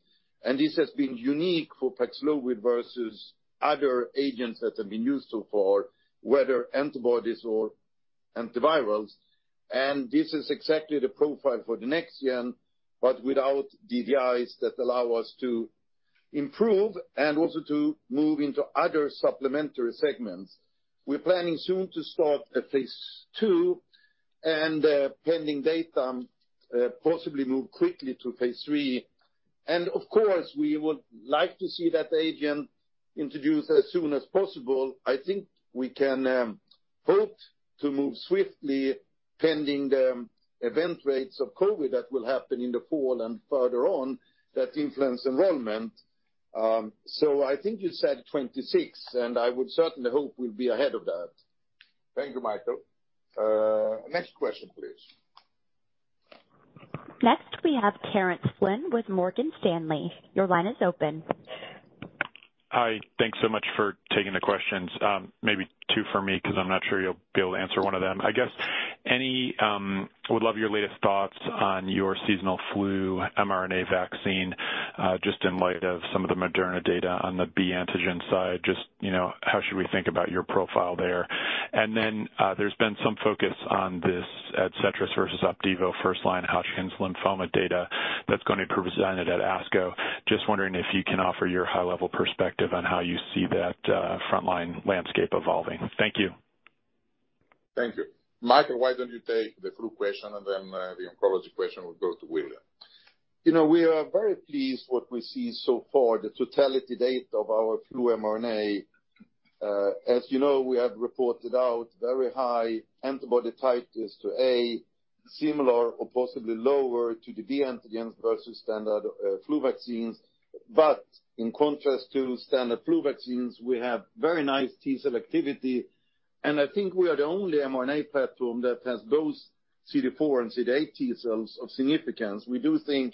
This has been unique for Paxlovid versus other agents that have been used so far, whether antibodies or antivirals. This is exactly the profile for the next gen, but without DDIs that allow us to improve and also to move into other supplementary segments. We're planning soon to start a phase 2 and, pending data, possibly move quickly to phase III. Of course, we would like to see that agent introduced as soon as possible. I think we can hope to move swiftly pending the event rates of COVID that will happen in the fall and further on that influence enrollment. I think you said 26, I would certainly hope we'll be ahead of that. Thank you, Mikael. Next question, please. Next we have Terence Flynn with Morgan Stanley. Your line is open. Hi. Thanks so much for taking the questions. Maybe two for me, 'cause I'm not sure you'll be able to answer one of them. Would love your latest thoughts on your seasonal flu mRNA vaccine, just in light of some of the Moderna data on the B antigen side. You know, how should we think about your profile there? There's been some focus on this ADCETRIS versus Opdivo first line Hodgkin lymphoma data that's gonna be presented at ASCO. Just wondering if you can offer your high level perspective on how you see that frontline landscape evolving. Thank you. Thank you. Mikael, why don't you take the flu question and then the oncology question will go to William. You know, we are very pleased what we see so far, the totality data of our flu mRNA. As you know, we have reported out very high antibody titers to A, similar or possibly lower to the B antigens versus standard flu vaccines. In contrast to standard flu vaccines, we have very nice T-cell activity, and I think we are the only mRNA platform that has those CD4 and CD8 T-cells of significance. We do think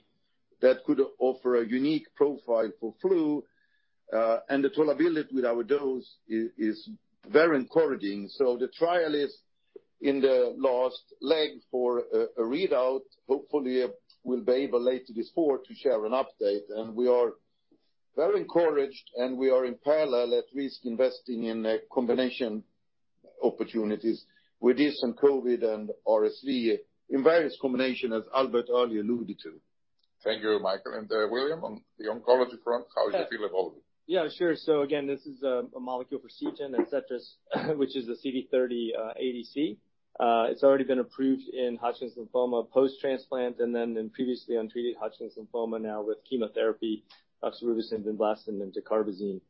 that could offer a unique profile for flu, and the tolerability with our dose is very encouraging. The trial is in the last leg for a readout. Hopefully we'll be able later this quarter to share an update. We are very encouraged and we are in parallel at least investing in combination opportunities with this and COVID and RSV in various combination as Albert earlier alluded to. Thank you, Mikael. William, on the oncology front, how do you feel about it? Yeah, sure. Again, this is a molecule for Seagen, ADCETRIS, which is a CD30 ADC. It's already been approved in Hodgkin lymphoma post-transplant and then in previously untreated Hodgkin lymphoma now with chemotherapy, oxaliplatin, vinblastine, and dacarbazine.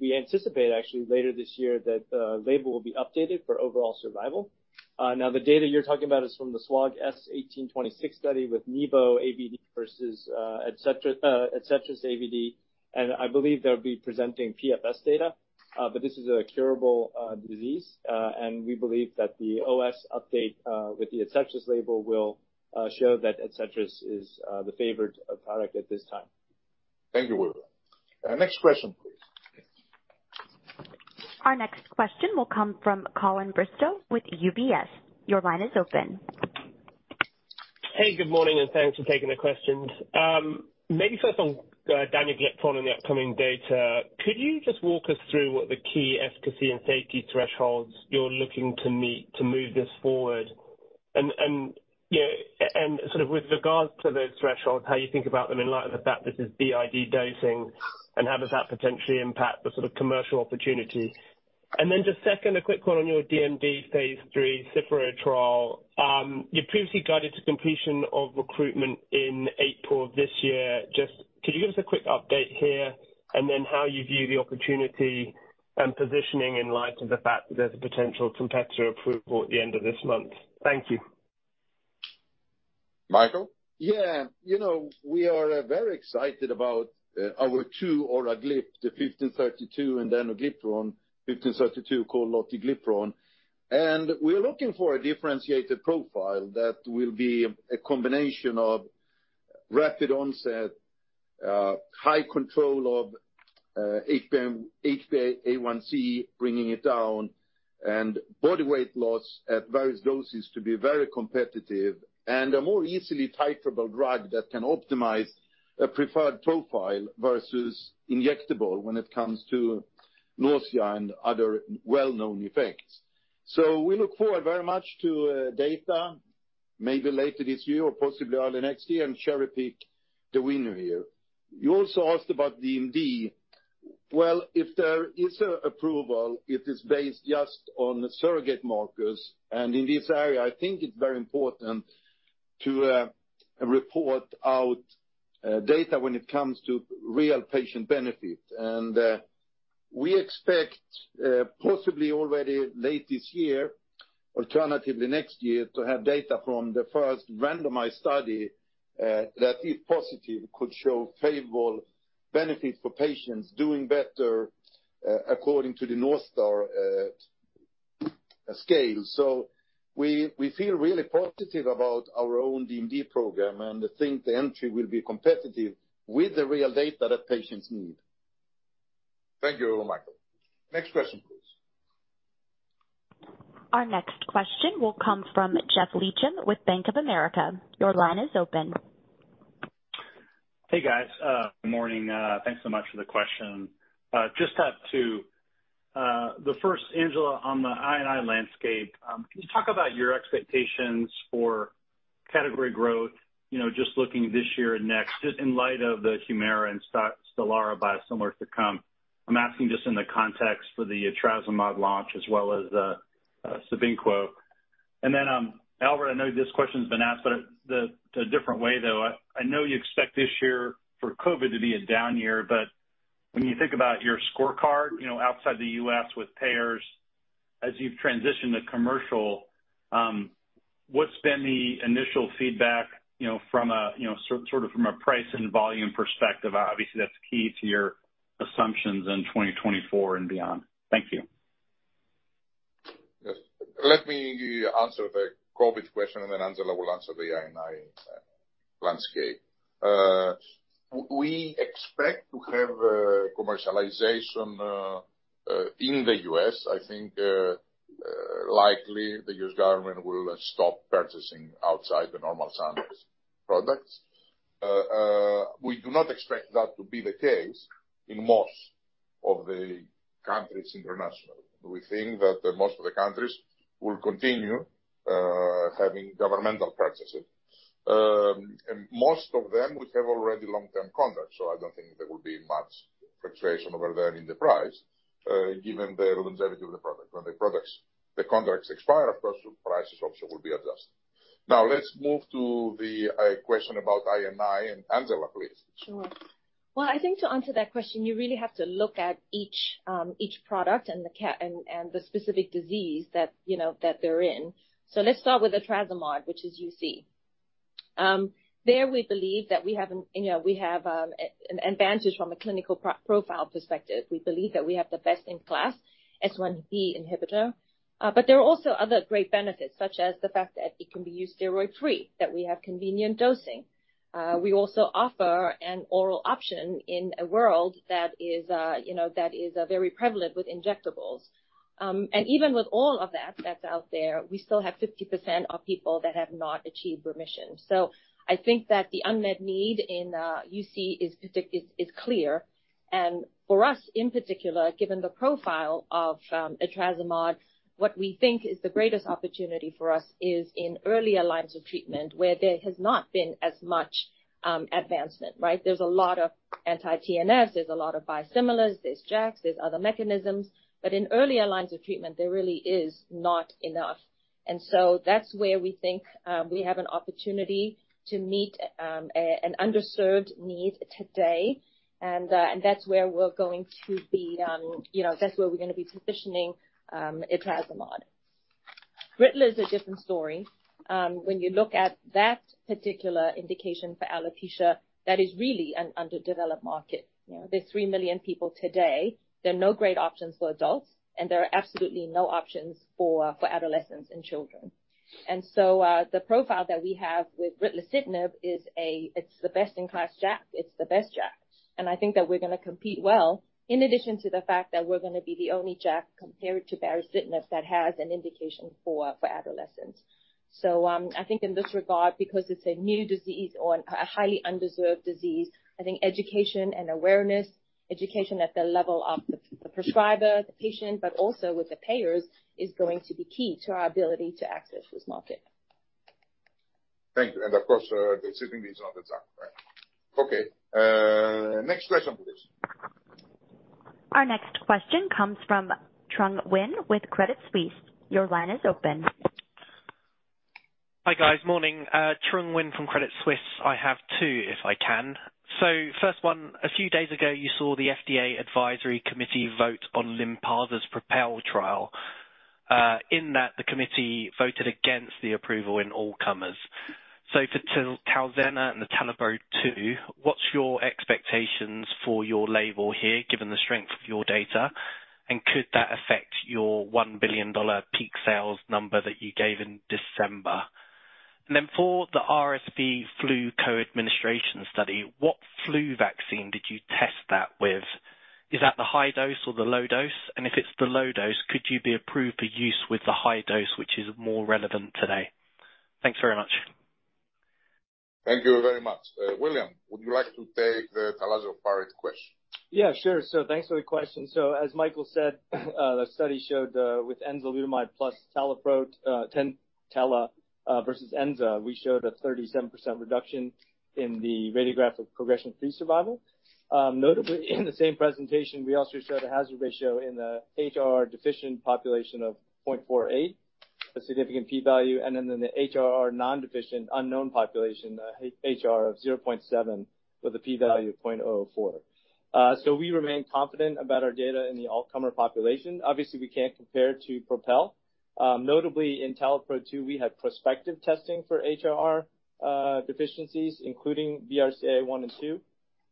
We anticipate actually later this year that the label will be updated for overall survival. Now the data you're talking about is from the SWOG S1826 study with Nivo-AVD versus ADCETRIS AVD, and I believe they'll be presenting PFS data. This is a curable disease. We believe that the OS update with the ADCETRIS label will show that ADCETRIS is the favored product at this time. Thank you, William. Next question, please. Our next question will come from Colin Bristow with UBS. Your line is open. Hey, good morning, and thanks for taking the questions. Maybe first on danuglipron and the upcoming data. Could you just walk us through what the key efficacy and safety thresholds you're looking to meet to move this forward? You know, and sort of with regards to those thresholds, how you think about them in light of the fact this is BID dosing, and how does that potentially impact the sort of commercial opportunity? Then just second, a quick one on your DMD phase 3 CIFERO trial. You previously guided to completion of recruitment in April of this year. Just could you give us a quick update here and then how you view the opportunity and positioning in light of the fact that there's a potential competitor approval at the end of this month? Thank you. Mikael? Yeah. You know, we are very excited about our two GLP-1, the 1532 and danuglipron, 1532 called lotiglipron. We're looking for a differentiated profile that will be a combination of rapid onset, high control of HbA1c, bringing it down, and body weight loss at various doses to be very competitive, and a more easily titrable drug that can optimize a preferred profile versus injectable when it comes to nausea and other well-known effects. We look forward very much to data maybe later this year or possibly early next year and cherry-pick the winner here. You also asked about DMD. Well, if there is a approval, it is based just on the surrogate markers. In this area, I think it's very important to report out data when it comes to real patient benefit. We expect, possibly already late this year, alternatively next year, to have data from the first randomized study, that if positive, could show favorable benefit for patients doing better, according to the NorthStar scale. We, we feel really positive about our own DMD program and think the entry will be competitive with the real data that patients need. Thank you, Mikael. Next question, please. Our next question will come from Geoff Meacham with Bank of America. Your line is open. Hey, guys. Good morning. Thanks so much for the question. Just have two. The first, Angela, on the I&I landscape, can you talk about your expectations for category growth, you know, just looking this year and next, just in light of the Humira and Stelara biosimilars to come? I'm asking just in the context for the etrasimod launch as well as Zavicefta. Then, Albert, I know this question's been asked, but a different way, though. I know you expect this year for COVID to be a down year, but when you think about your scorecard, you know, outside the U.S. with payers as you've transitioned to commercial, what's been the initial feedback, you know, from a, you know, sort of from a price and volume perspective? That's key to your assumptions in 2024 and beyond. Thank you. Yes. Let me answer the COVID question, then Angela will answer the INI landscape. We expect to have commercialization in the U.S. I think likely the U.S. government will stop purchasing outside the normal standards products. We do not expect that to be the case in most of the countries international. We think that most of the countries will continue having governmental purchases. Most of them we have already long-term contracts, so I don't think there will be much fluctuation over there in the price, given the longevity of the product. When the products, the contracts expire, of course, prices also will be adjusted. Let's move to the question about INI. Angela, please. Sure. Well, I think to answer that question, you really have to look at each product and the specific disease that, you know, that they're in. Let's start with etrasimod, which is UC. There we believe that we have an, you know, we have an advantage from a clinical profile perspective. We believe that we have the best in class S1P receptor modulator. There are also other great benefits, such as the fact that it can be used steroid-free, that we have convenient dosing. We also offer an oral option in a world that is, you know, that is very prevalent with injectables. Even with all of that that's out there, we still have 50% of people that have not achieved remission. I think that the unmet need in UC is clear. For us, in particular, given the profile of etrasimod, what we think is the greatest opportunity for us is in earlier lines of treatment where there has not been as much advancement, right? There's a lot of anti-TNFs, there's a lot of biosimilars, there's JAKs, there's other mechanisms. In earlier lines of treatment there really is not enough. That's where we think we have an opportunity to meet an underserved need today. That's where we're going to be, you know, that's where we're gonna be positioning etrasimod. RIT is a different story. When you look at that particular indication for alopecia, that is really an underdeveloped market. You know, there's 3 million people today. There are no great options for adults, there are absolutely no options for adolescents and children. The profile that we have with ritlecitinib is, it's the best in class JAK. It's the best JAK. I think that we're gonna compete well, in addition to the fact that we're gonna be the only JAK compared to baricitinib that has an indication for adolescents. I think in this regard, because it's a new disease or a highly underserved disease, I think education and awareness, education at the level of the prescriber, the patient, but also with the payers, is going to be key to our ability to access this market. Thank you. Of course, the sitting needs on the JAK, right. Okay, next question please. Our next question comes from Trung Huynh with Credit Suisse. Your line is open. Hi, guys. Morning. Trung Huynh from Credit Suisse. First one, a few days ago, you saw the FDA advisory committee vote on Lynparza's PROPEL trial, in that the committee voted against the approval in all comers. For TALZENNA and the TALAPRO-2, what's your expectations for your label here, given the strength of your data? Could that affect your $1 billion peak sales number that you gave in December? For the RSV flu co-administration study, what flu vaccine did you test that with? Is that the high dose or the low dose? If it's the low dose, could you be approved for use with the high dose, which is more relevant today? Thanks very much. Thank you very much. William, would you like to take the talazoparib question? Yeah, sure. Thanks for the question. As Mikael said, the study showed with enzalutamide plus tala versus enza, we showed a 37% reduction in the radiographic progression-free survival. Notably in the same presentation, we also showed a hazard ratio in the HR deficient population of 0.48, a significant P value, and then in the HR non-deficient unknown population, an HR of 0.7 with a P value of 0.04. We remain confident about our data in the all-comer population. Obviously, we can't compare to PROPEL. Notably in TALAPRO-2, we have prospective testing for HR deficiencies, including BRCA1 and 2.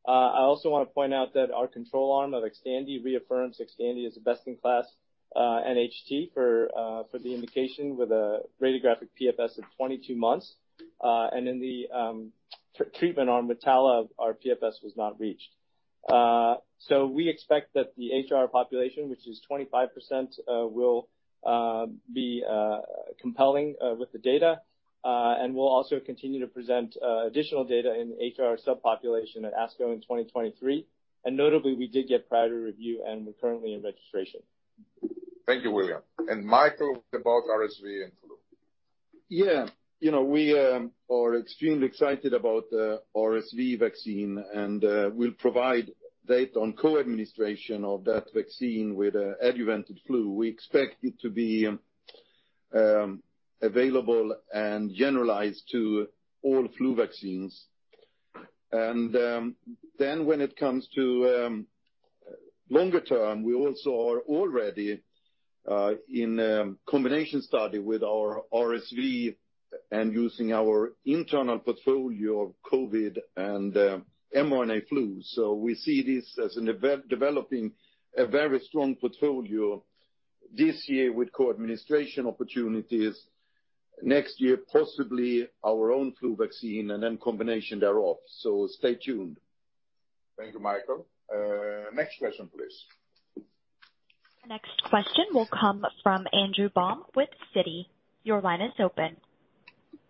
I also wanna point out that our control arm of Xtandi reaffirms Xtandi as a best in class NHT for the indication with a radiographic PFS of 22 months. In the treatment arm with tala, our PFS was not reached. We expect that the HR population, which is 25%, will be compelling with the data. We'll also continue to present additional data in the HR subpopulation at ASCO in 2023. Notably, we did get priority review, and we're currently in registration. Thank you, William. Mikael, about RSV and flu. Yeah. You know, we are extremely excited about the RSV vaccine. We'll provide data on co-administration of that vaccine with adjuvanted flu. We expect it to be available and generalized to all flu vaccines. Then when it comes to longer term, we also are already in a combination study with our RSVUsing our internal portfolio of COVID and mRNA flu. We see this as an eve-developing a very strong portfolio this year with co-administration opportunities. Next year, possibly our own flu vaccine and then combination thereof. Stay tuned. Thank you, Mikael. next question, please. The next question will come from Andrew Baum with Citi. Your line is open.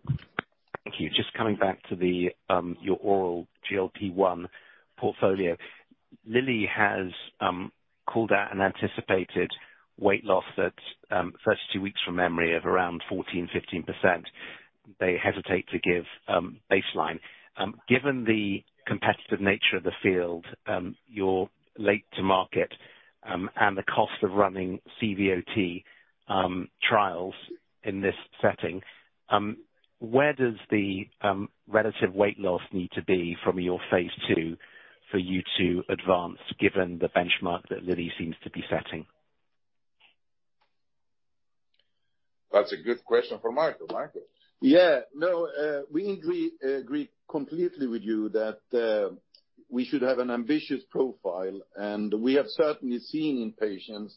Thank you. Just coming back to the, your oral GLP-1 portfolio. Lilly has called out an anticipated weight loss at 32 weeks from memory of around 14-15%. They hesitate to give baseline. Given the competitive nature of the field, you're late to market, and the cost of running CVOT trials in this setting, where does the relative weight loss need to be from your phase II for you to advance given the benchmark that Lilly seems to be setting? That's a good question for Mikael. Mikael. Yeah. No, we agree completely with you that we should have an ambitious profile, and we have certainly seen in patients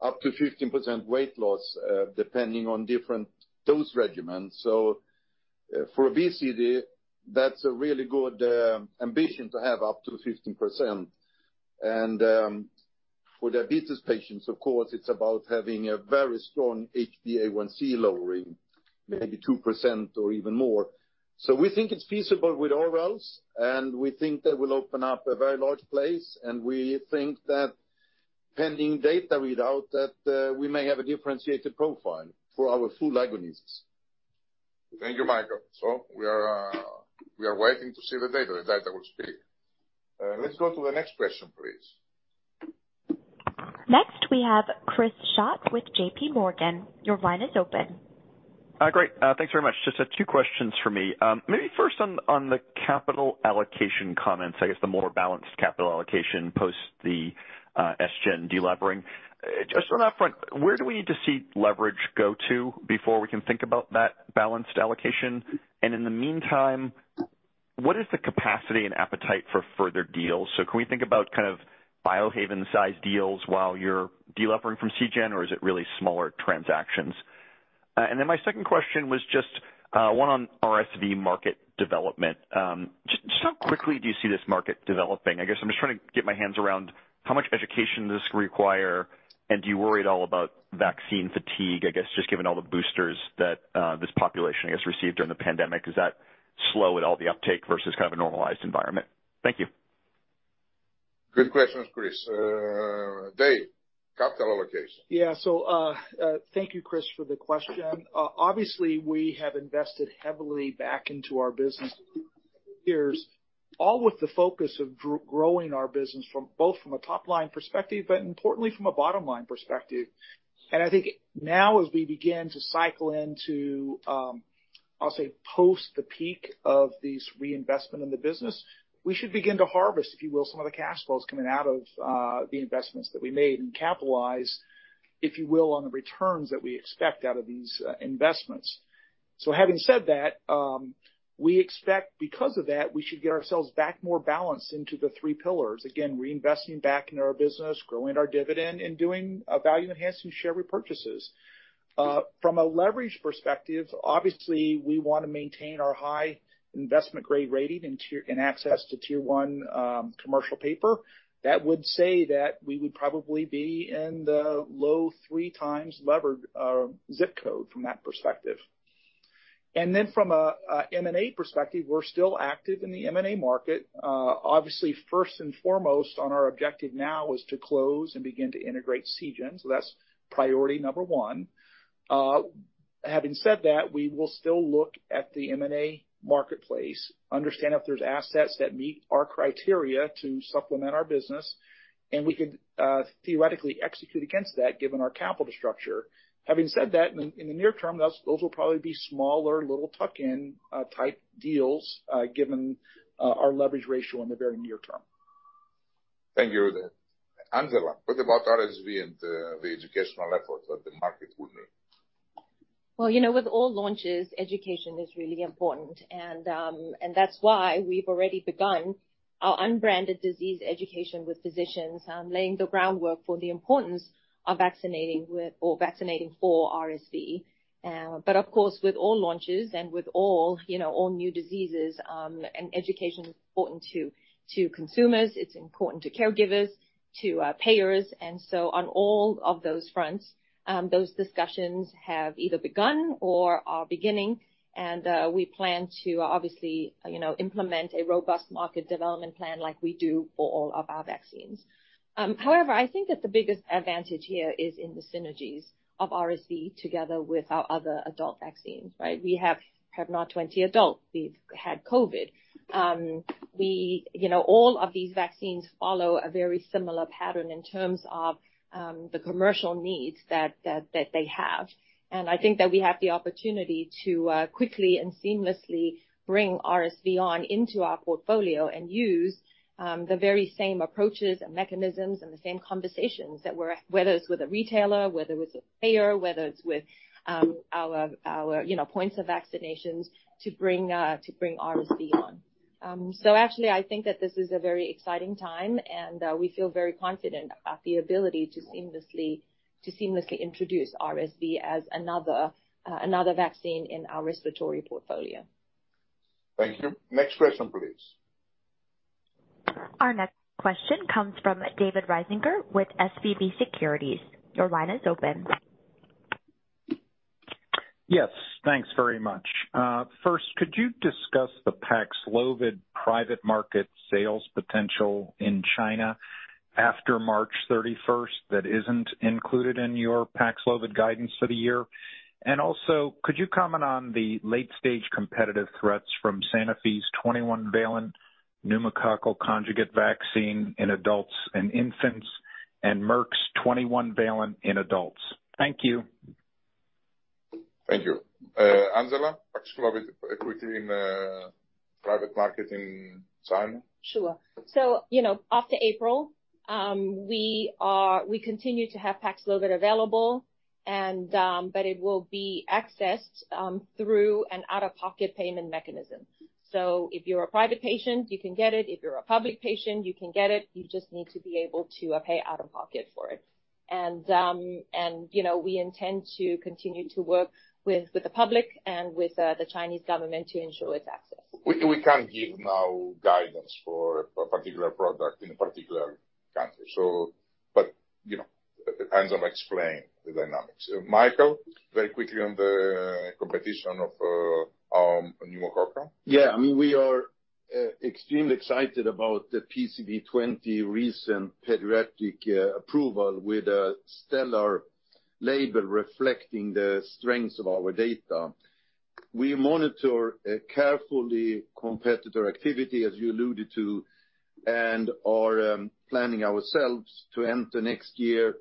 up to 15% weight loss, depending on different dose regimens. For obesity, that's a really good ambition to have up to 15%. For diabetes patients, of course, it's about having a very strong HbA1c lowering, maybe 2% or even more. We think it's feasible with orals, and we think that will open up a very large place, and we think that pending data, we doubt that we may have a differentiated profile for our full agonists. Thank you, Mikael. We are waiting to see the data. The data will speak. Let's go to the next question, please. We have Chris Schott with JPMorgan. Your line is open. Great. Thanks very much. Just two questions for me. Maybe first on the capital allocation comments, I guess the more balanced capital allocation post the SGen delevering. Just on that front, where do we need to see leverage go to before we can think about that balanced allocation? In the meantime, what is the capacity and appetite for further deals? Can we think about kind of Biohaven size deals while you're delevering from SGen, or is it really smaller transactions? My second question was just one on RSV market development. Just how quickly do you see this market developing? I guess I'm just trying to get my hands around how much education does this require, and do you worry at all about vaccine fatigue, I guess, just given all the boosters that this population has received during the pandemic? Does that slow at all the uptake versus kind of a normalized environment? Thank you. Good questions, Chris. Dave, capital allocation. Thank you, Chris, for the question. Obviously, we have invested heavily back into our business years, all with the focus of growing our business from both a top line perspective, but importantly from a bottom line perspective. I think now as we begin to cycle into, I'll say post the peak of these reinvestment in the business, we should begin to harvest, if you will, some of the cash flows coming out of the investments that we made and capitalize, if you will, on the returns that we expect out of these investments. Having said that, we expect because of that, we should get ourselves back more balance into the three pillars. Again, reinvesting back into our business, growing our dividend and doing value enhancing share repurchases. From a leverage perspective, obviously, we wanna maintain our high investment-grade rating and tier, and access to tier 1, commercial paper. That would say that we would probably be in the low 3 times levered, ZIP code from that perspective. From a M&A perspective, we're still active in the M&A market. Obviously, first and foremost on our objective now is to close and begin to integrate SGen. That's priority number 1. Having said that, we will still look at the M&A marketplace, understand if there's assets that meet our criteria to supplement our business, and we could, theoretically execute against that given our capital structure. Having said that, in the, in the near term, those will probably be smaller, little tuck-in, type deals, given, our leverage ratio in the very near term. Thank you. Angela, what about RSV and the educational efforts that the market would need? Well, you know, with all launches, education is really important. That's why we've already begun our unbranded disease education with physicians, laying the groundwork for the importance of vaccinating with or vaccinating for RSV. Of course, with all launches and with all, you know, all new diseases, education is important to consumers, it's important to caregivers, to payers. On all of those fronts, those discussions have either begun or are beginning. We plan to obviously, you know, implement a robust market development plan like we do for all of our vaccines. However, I think that the biggest advantage here is in the synergies of RSV together with our other adult vaccines, right? We have HELENA 20 adult. We've had COVID. You know, all of these vaccines follow a very similar pattern in terms of the commercial needs that they have. I think that we have the opportunity to quickly and seamlessly bring RSV on into our portfolio and use the very same approaches and mechanisms and the same conversations whether it's with a retailer, whether it's with a payer, whether it's with our, you know, points of vaccinations to bring RSV on. Actually, I think that this is a very exciting time, and we feel very confident at the ability to seamlessly introduce RSV as another vaccine in our respiratory portfolio. Thank you. Next question, please. Our next question comes from David Risinger with SVB Securities. Your line is open. Yes, thanks very much. First, could you discuss the Paxlovid private market sales potential in China after March 31st that isn't included in your Paxlovid guidance for the year? Also, could you comment on the late-stage competitive threats from Sanofi's 21-valent pneumococcal conjugate vaccine in adults and infants and Merck's 21-valent in adults? Thank you. Thank you. Angela, Paxlovid equity in private market in China. Sure. You know, after April, we continue to have Paxlovid available and, but it will be accessed, through an out-of-pocket payment mechanism. If you're a private patient, you can get it. If you're a public patient, you can get it. You just need to be able to pay out of pocket for it. You know, we intend to continue to work with the public and with, the Chinese government to ensure its access. We can't give now guidance for a particular product in a particular country. you know, as Angela explained the dynamics. Mikael, very quickly on the competition of our pneumococcal. Yeah. I mean, we are extremely excited about the PCV20 recent pediatric approval with a stellar label reflecting the strengths of our data. We monitor carefully competitor activity, as you alluded to, and are planning ourselves to enter next year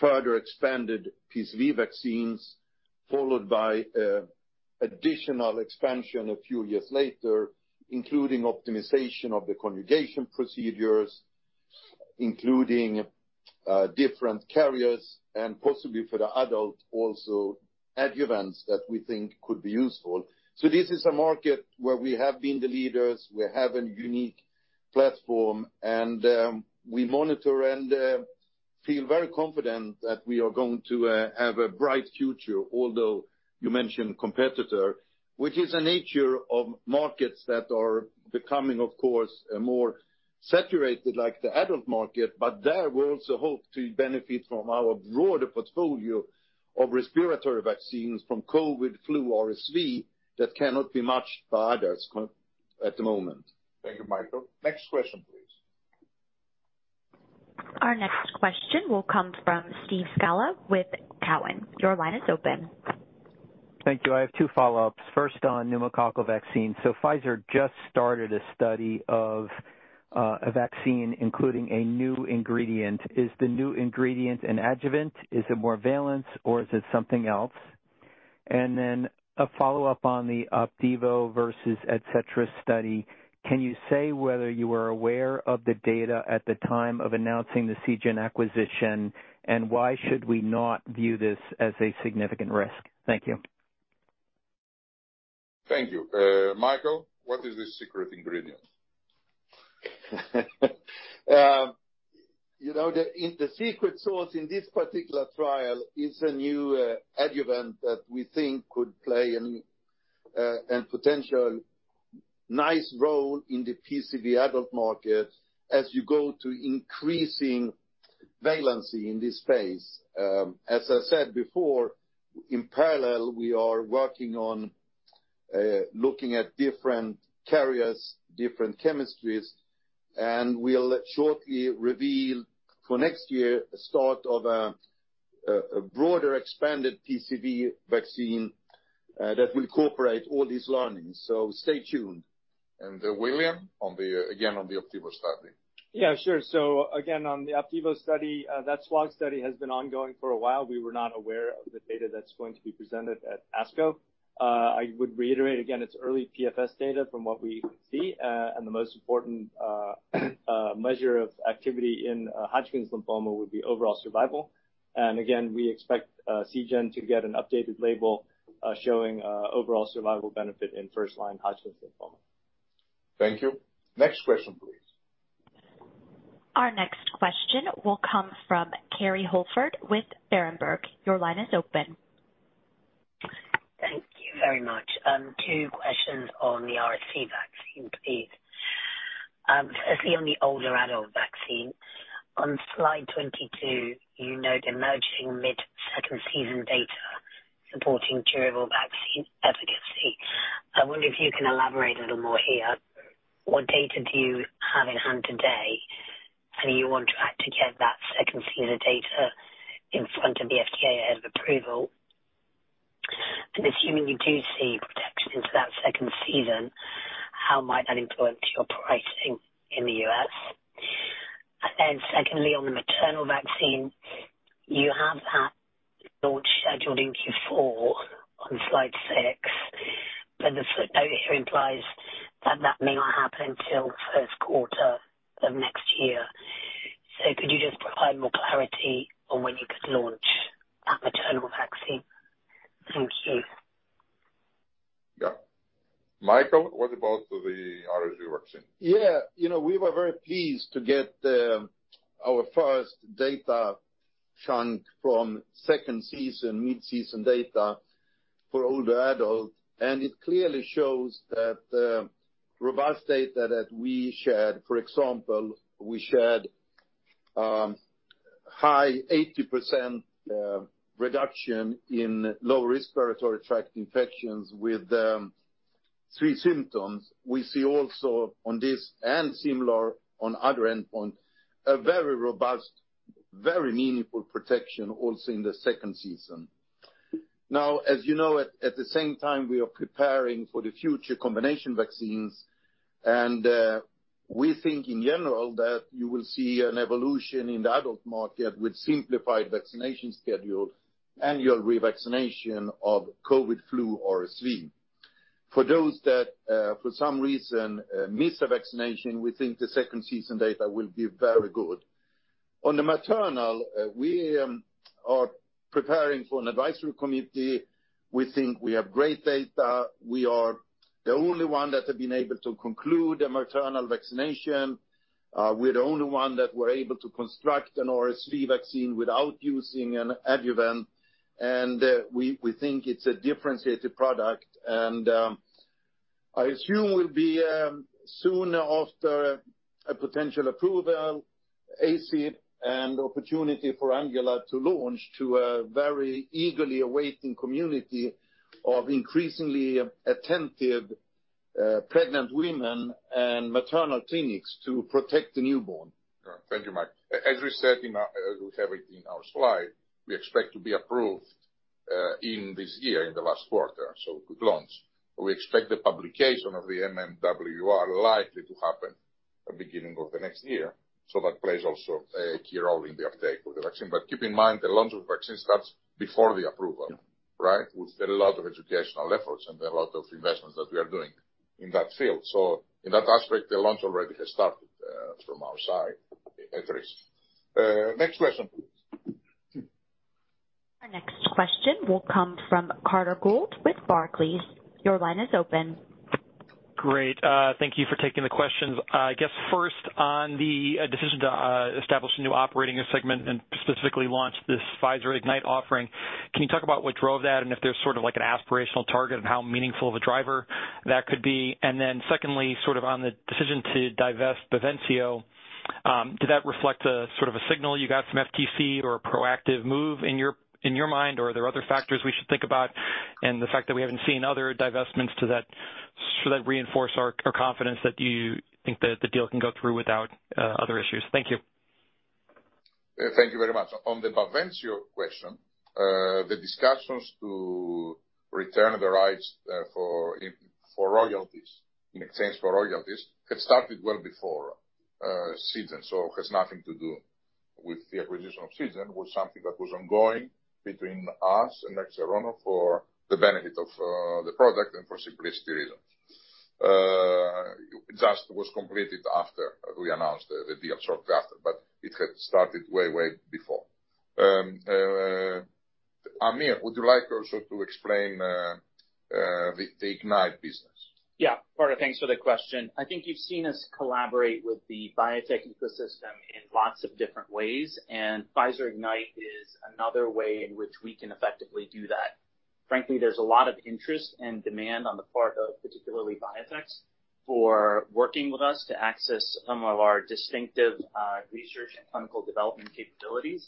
further expanded PCV vaccines, followed by additional expansion a few years later, including optimization of the conjugation procedures, including different carriers and possibly for the adult, also adjuvants that we think could be useful. This is a market where we have been the leaders. We have a unique platform and we monitor and feel very confident that we are going to have a bright future although you mentioned competitor. Which is the nature of markets that are becoming, of course, more saturated like the adult market. There we also hope to benefit from our broader portfolio of respiratory vaccines from COVID, flu, RSV, that cannot be matched by others at the moment. Thank you, Mikael. Next question, please. Our next question will come from Steve Scala with Cowen. Your line is open. Thank you. I have two follow-ups. First on pneumococcal vaccine. Pfizer just started a study of a vaccine including a new ingredient. Is the new ingredient an adjuvant? Is it more valence, or is it something else? A follow-up on the Opdivo versus Tecentriq study. Can you say whether you were aware of the data at the time of announcing the Seagen acquisition, and why should we not view this as a significant risk? Thank you. Thank you. Mikael, what is this secret ingredient? you know, the secret sauce in this particular trial is a new adjuvant that we think could play a potential nice role in the PCV adult market as you go to increasing valency in this phase. As I said before, in parallel, we are working on looking at different carriers, different chemistries, and we'll shortly reveal for next year the start of a broader expanded PCV vaccine that will incorporate all these learnings. Stay tuned. William, on the, again, on the Opdivo study. Yeah, sure. Again, on the Opdivo study, that SWOG study has been ongoing for a while. We were not aware of the data that's going to be presented at ASCO. I would reiterate again, it's early PFS data from what we see. The most important measure of activity in Hodgkin lymphoma would be overall survival. Again, we expect Seagen to get an updated label showing overall survival benefit in first-line Hodgkin lymphoma. Thank you. Next question, please. Our next question will come from Kerry Holford with Berenberg. Your line is open. Thank you very much. 2 questions on the RSV vaccine, please. Firstly, on the older adult vaccine. On slide 22, you note emerging mid second season data supporting durable vaccine efficacy. I wonder if you can elaborate a little more here. What data do you have in hand today, and you want to get that second season data in front of the FDA ahead of approval? Assuming you do see protection into that second season, how might that influence your pricing in the US? Secondly, on the maternal vaccine, you have that launch scheduled in Q4 on slide 6, but the footnote here implies that that may not happen until the first quarter of next year. Could you just provide more clarity on when you could launch that maternal vaccine? Thanks, chief. Yeah. Mikael, what about the RSV vaccine? Yeah. You know, we were very pleased to get our first data from second season, mid-season data for older adults. It clearly shows that the robust data that we shared, for example, we shared high 80% reduction in low respiratory tract infections with three symptoms. We see also on this and similar on other endpoints, a very robust, very meaningful protection also in the second season. As you know, at the same time, we are preparing for the future combination vaccines, we think in general that you will see an evolution in the adult market with simplified vaccination schedule, annual revaccination of COVID flu or RSV. For those that for some reason miss a vaccination, we think the second season data will be very good. On the maternal, we are preparing for an advisory committee. We think we have great data. We are the only one that have been able to conclude a maternal vaccination. We're the only one that we're able to construct an RSV vaccine without using an adjuvant, and we think it's a differentiated product. I assume we'll be soon after a potential approval, ACIP and opportunity for Angela to launch to a very eagerly awaiting community of increasingly attentive pregnant women and maternal clinics to protect the newborn. Thank you, Mike. As we said with everything in our slide, we expect to be approved in this year, in the last quarter, so good launch. We expect the publication of the MMWR likely to happen at beginning of the next year. That plays also a key role in the uptake of the vaccine. Keep in mind, the launch of vaccine starts before the approval. Yeah. Right? With a lot of educational efforts and a lot of investments that we are doing in that field. In that aspect, the launch already has started, from our side at risk. Next question, please. Our next question will come from Carter Gould with Barclays. Your line is open. Great. Thank you for taking the questions. I guess first on the decision to establish a new operating segment and specifically launch this Pfizer Ignite offering, can you talk about what drove that and if there's sort of like an aspirational target and how meaningful of a driver that could be? Then secondly, sort of on the decision to divest BAVENCIO, did that reflect a sort of a signal you got from FTC or a proactive move in your, in your mind? Or are there other factors we should think about? The fact that we haven't seen other divestments, should that reinforce our confidence that you think that the deal can go through without other issues? Thank you. Thank you very much. On the BAVENCIO question, the discussions to return the rights for royalties, in exchange for royalties, had started well before Seagen. It has nothing to do with the acquisition of Seagen. It was something that was ongoing between us and Nexeterona for the benefit of the product and for simplicity reasons. It just was completed after we announced the deal shortly after, but it had started way before. Aamir, would you like also to explain the Ignite business? Yeah. Carter, thanks for the question. I think you've seen us collaborate with the biotech ecosystem in lots of different ways, and Pfizer Ignite is another way in which we can effectively do that. Frankly, there's a lot of interest and demand on the part of particularly biotechs for working with us to access some of our distinctive research and clinical development capabilities.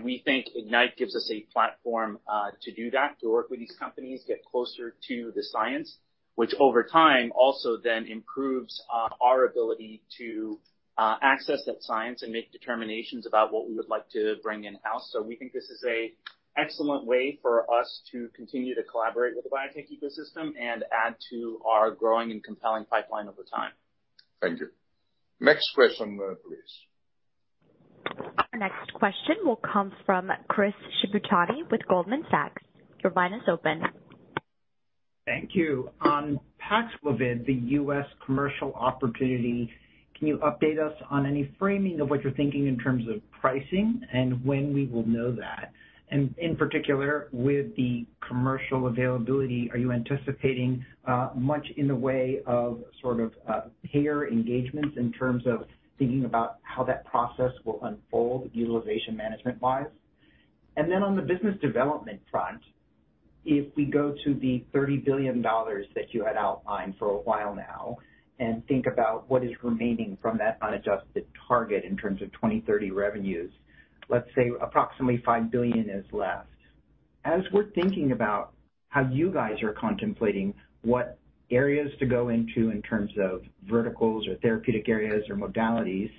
We think Ignite gives us a platform to do that, to work with these companies, get closer to the science, which over time also then improves our ability to access that science and make determinations about what we would like to bring in-house. We think this is a excellent way for us to continue to collaborate with the biotech ecosystem and add to our growing and compelling pipeline over time. Thank you. Next question, please. Our next question will come from Chris Shibutani with Goldman Sachs. Your line is open. Thank you. On Paxlovid, the U.S. commercial opportunity, can you update us on any framing of what you're thinking in terms of pricing and when we will know that? In particular, with the commercial availability, are you anticipating much in the way of, sort of, payer engagements in terms of thinking about how that process will unfold utilization management-wise? Then on the business development front, if we go to the $30 billion that you had outlined for a while now and think about what is remaining from that unadjusted target in terms of 2030 revenues, let's say approximately $5 billion is left. As we're thinking about how you guys are contemplating what areas to go into in terms of verticals or therapeutic areas or modalities,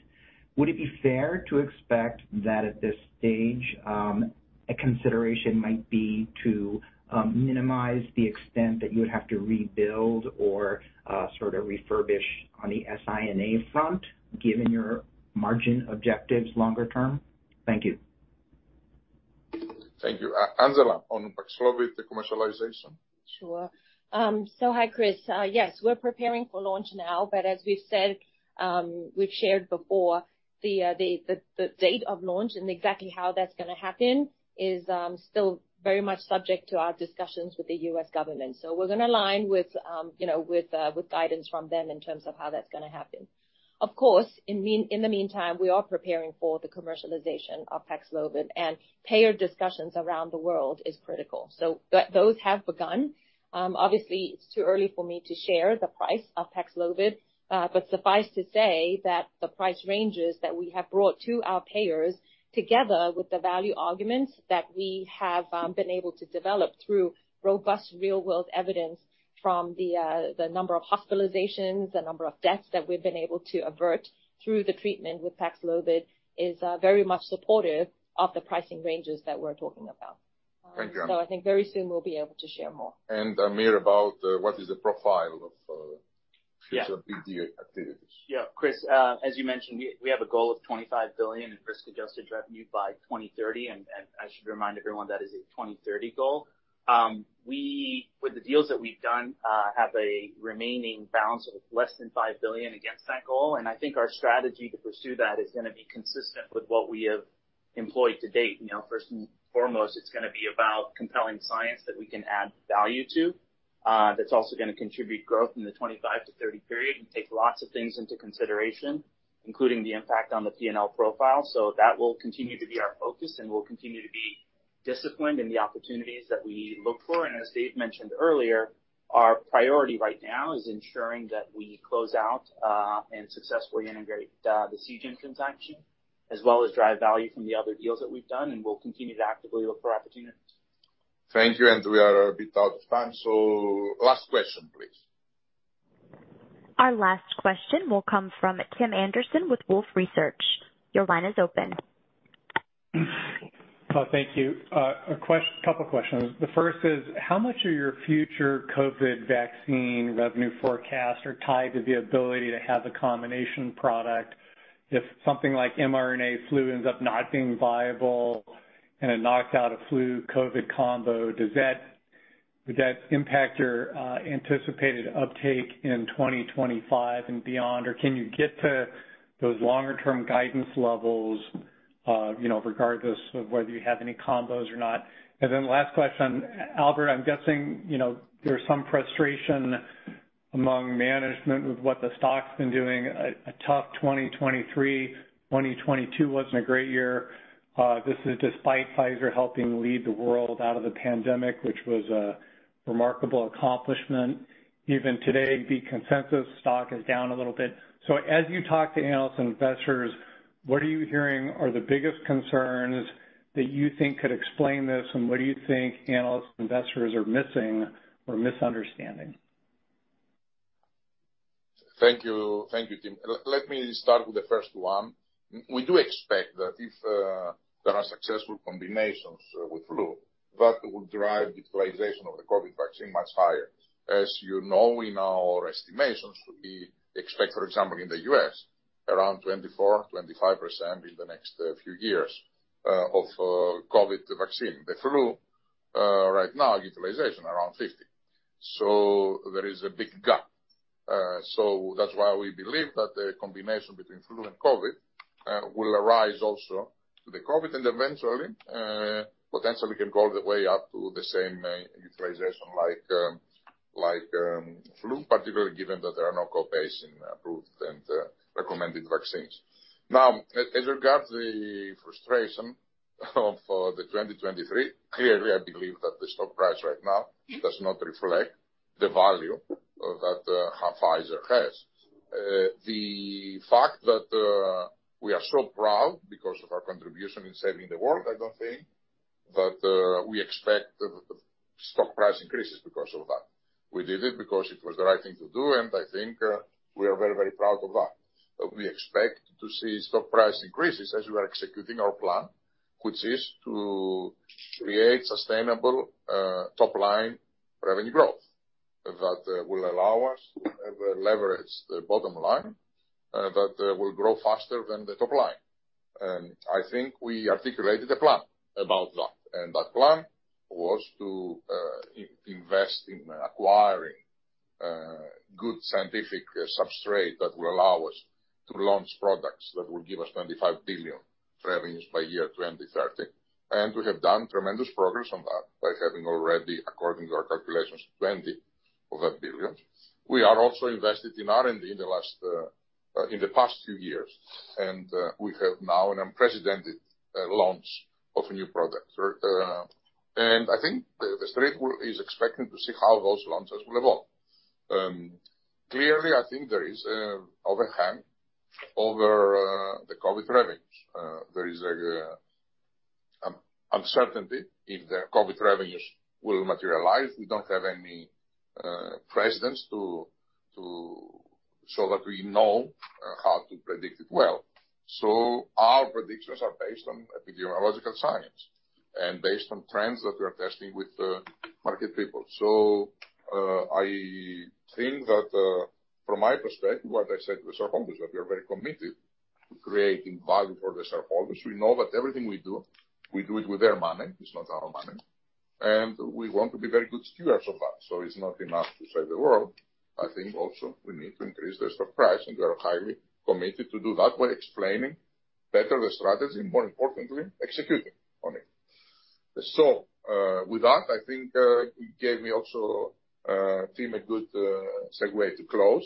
would it be fair to expect that at this stage, a consideration might be to minimize the extent that you would have to rebuild or sort of refurbish on the China front, given your margin objectives longer term? Thank you. Thank you. Angela, on Paxlovid, the commercialization. Sure. Hi, Chris. Yes, we're preparing for launch now, as we've said, we've shared before, the date of launch and exactly how that's gonna happen is still very much subject to our discussions with the U.S. government. We're gonna align with, you know, with guidance from them in terms of how that's gonna happen. Of course, in the meantime, we are preparing for the commercialization of Paxlovid, and payer discussions around the world is critical. Those have begun. Obviously, it's too early for me to share the price of Paxlovid, suffice to say that the price ranges that we have brought to our payers, together with the value arguments that we have, been able to develop through robust real-world evidence from the number of hospitalizations, the number of deaths that we've been able to avert through the treatment with Paxlovid is very much supportive of the pricing ranges that we're talking about. Thank you. I think very soon we'll be able to share more. Amir, about, what is the profile of, Yeah. future BD activities. Chris, as you mentioned, we have a goal of $25 billion in risk-adjusted revenue by 2030, and I should remind everyone that is a 2030 goal. We, with the deals that we've done, have a remaining balance of less than $5 billion against that goal, and I think our strategy to pursue that is gonna be consistent with what we have employed to date. You know, first and foremost, it's gonna be about compelling science that we can add value to, that's also gonna contribute growth in the 2025-2030 period and take lots of things into consideration, including the impact on the P&L profile. That will continue to be our focus, and we'll continue to be disciplined in the opportunities that we look for. As Dave mentioned earlier, our priority right now is ensuring that we close out, and successfully integrate, the Seagen transaction, as well as drive value from the other deals that we've done, and we'll continue to actively look for opportunities. Thank you. We are a bit out of time. Last question, please. Our last question will come from Tim Anderson with Wolfe Research. Your line is open. Thank you. Couple questions. The first is, how much of your future COVID vaccine revenue forecasts are tied to the ability to have the combination product? If something like mRNA flu ends up not being viable and it knocks out a flu COVID combo, would that impact your anticipated uptake in 2025 and beyond? Can you get to those longer term guidance levels, you know, regardless of whether you have any combos or not? Last question. Albert, I'm guessing, you know, there's some frustration among management with what the stock's been doing, a tough 2023. 2022 wasn't a great year. This is despite Pfizer helping lead the world out of the pandemic, which was a remarkable accomplishment. Even today, the consensus stock is down a little bit. As you talk to analysts and investors, what are you hearing are the biggest concerns that you think could explain this, and what do you think analysts and investors are missing or misunderstanding? Thank you. Thank you, Tim. Let me start with the first one. We do expect that if there are successful combinations with flu, that will drive utilization of the COVID vaccine much higher. As you know, in our estimations, we expect, for example, in the U.S., around 24%-25% in the next few years of COVID vaccine. The flu, right now utilization around 50. There is a big gap. That's why we believe that the combination between flu and COVID will arise also to the COVID and eventually potentially can go the way up to the same utilization like like flu, particularly given that there are no co-pays in approved and recommended vaccines. Now, as regards the frustration of the 2023, clearly I believe that the stock price right now does not reflect the value that Pfizer has. The fact that we are so proud because of our contribution in saving the world, I don't think that we expect the stock price increases because of that. We did it because it was the right thing to do, and I think we are very proud of that. We expect to see stock price increases as we are executing our plan, which is to create sustainable top line revenue growth that will allow us to leverage the bottom line that will grow faster than the top line. I think we articulated a plan about that. That plan was to invest in acquiring good scientific substrate that will allow us to launch products that will give us $25 billion revenues by year 2030. We have done tremendous progress on that by having already according to our calculations, $20 of that billion. We are also invested in R&D in the past few years. We have now an unprecedented launch of new products. I think the street is expecting to see how those launches will evolve. Clearly, I think there is a overhang over the COVID revenues. There is a uncertainty if the COVID revenues will materialize. We don't have any precedents to so that we know how to predict it well. Our predictions are based on epidemiological science and based on trends that we are testing with the market people. I think that, from my perspective, what I said to the shareholders, that we are very committed to creating value for the shareholders. We know that everything we do, we do it with their money, it's not our money. We want to be very good stewards of that. It's not enough to save the world. I think also we need to increase the stock price, and we are highly committed to do that by explaining better the strategy, more importantly, executing on it. With that, I think, you gave me also, Tim, a good segue to close.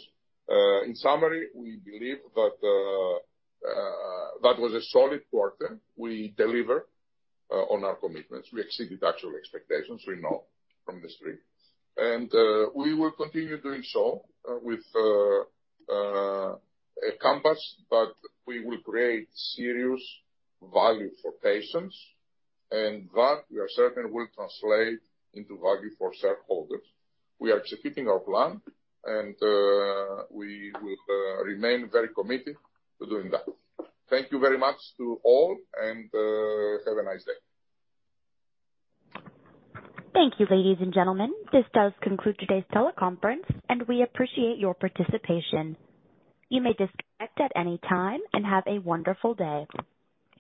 In summary, we believe that was a solid quarter. We deliver on our commitments. We exceeded actual expectations, we know from the street. We will continue doing so with a compass, but we will create serious value for patients, and that we are certain will translate into value for shareholders. We are executing our plan, and we will remain very committed to doing that. Thank you very much to all, and have a nice day. Thank you, ladies and gentlemen. This does conclude today's teleconference. We appreciate your participation. You may disconnect at any time. Have a wonderful day.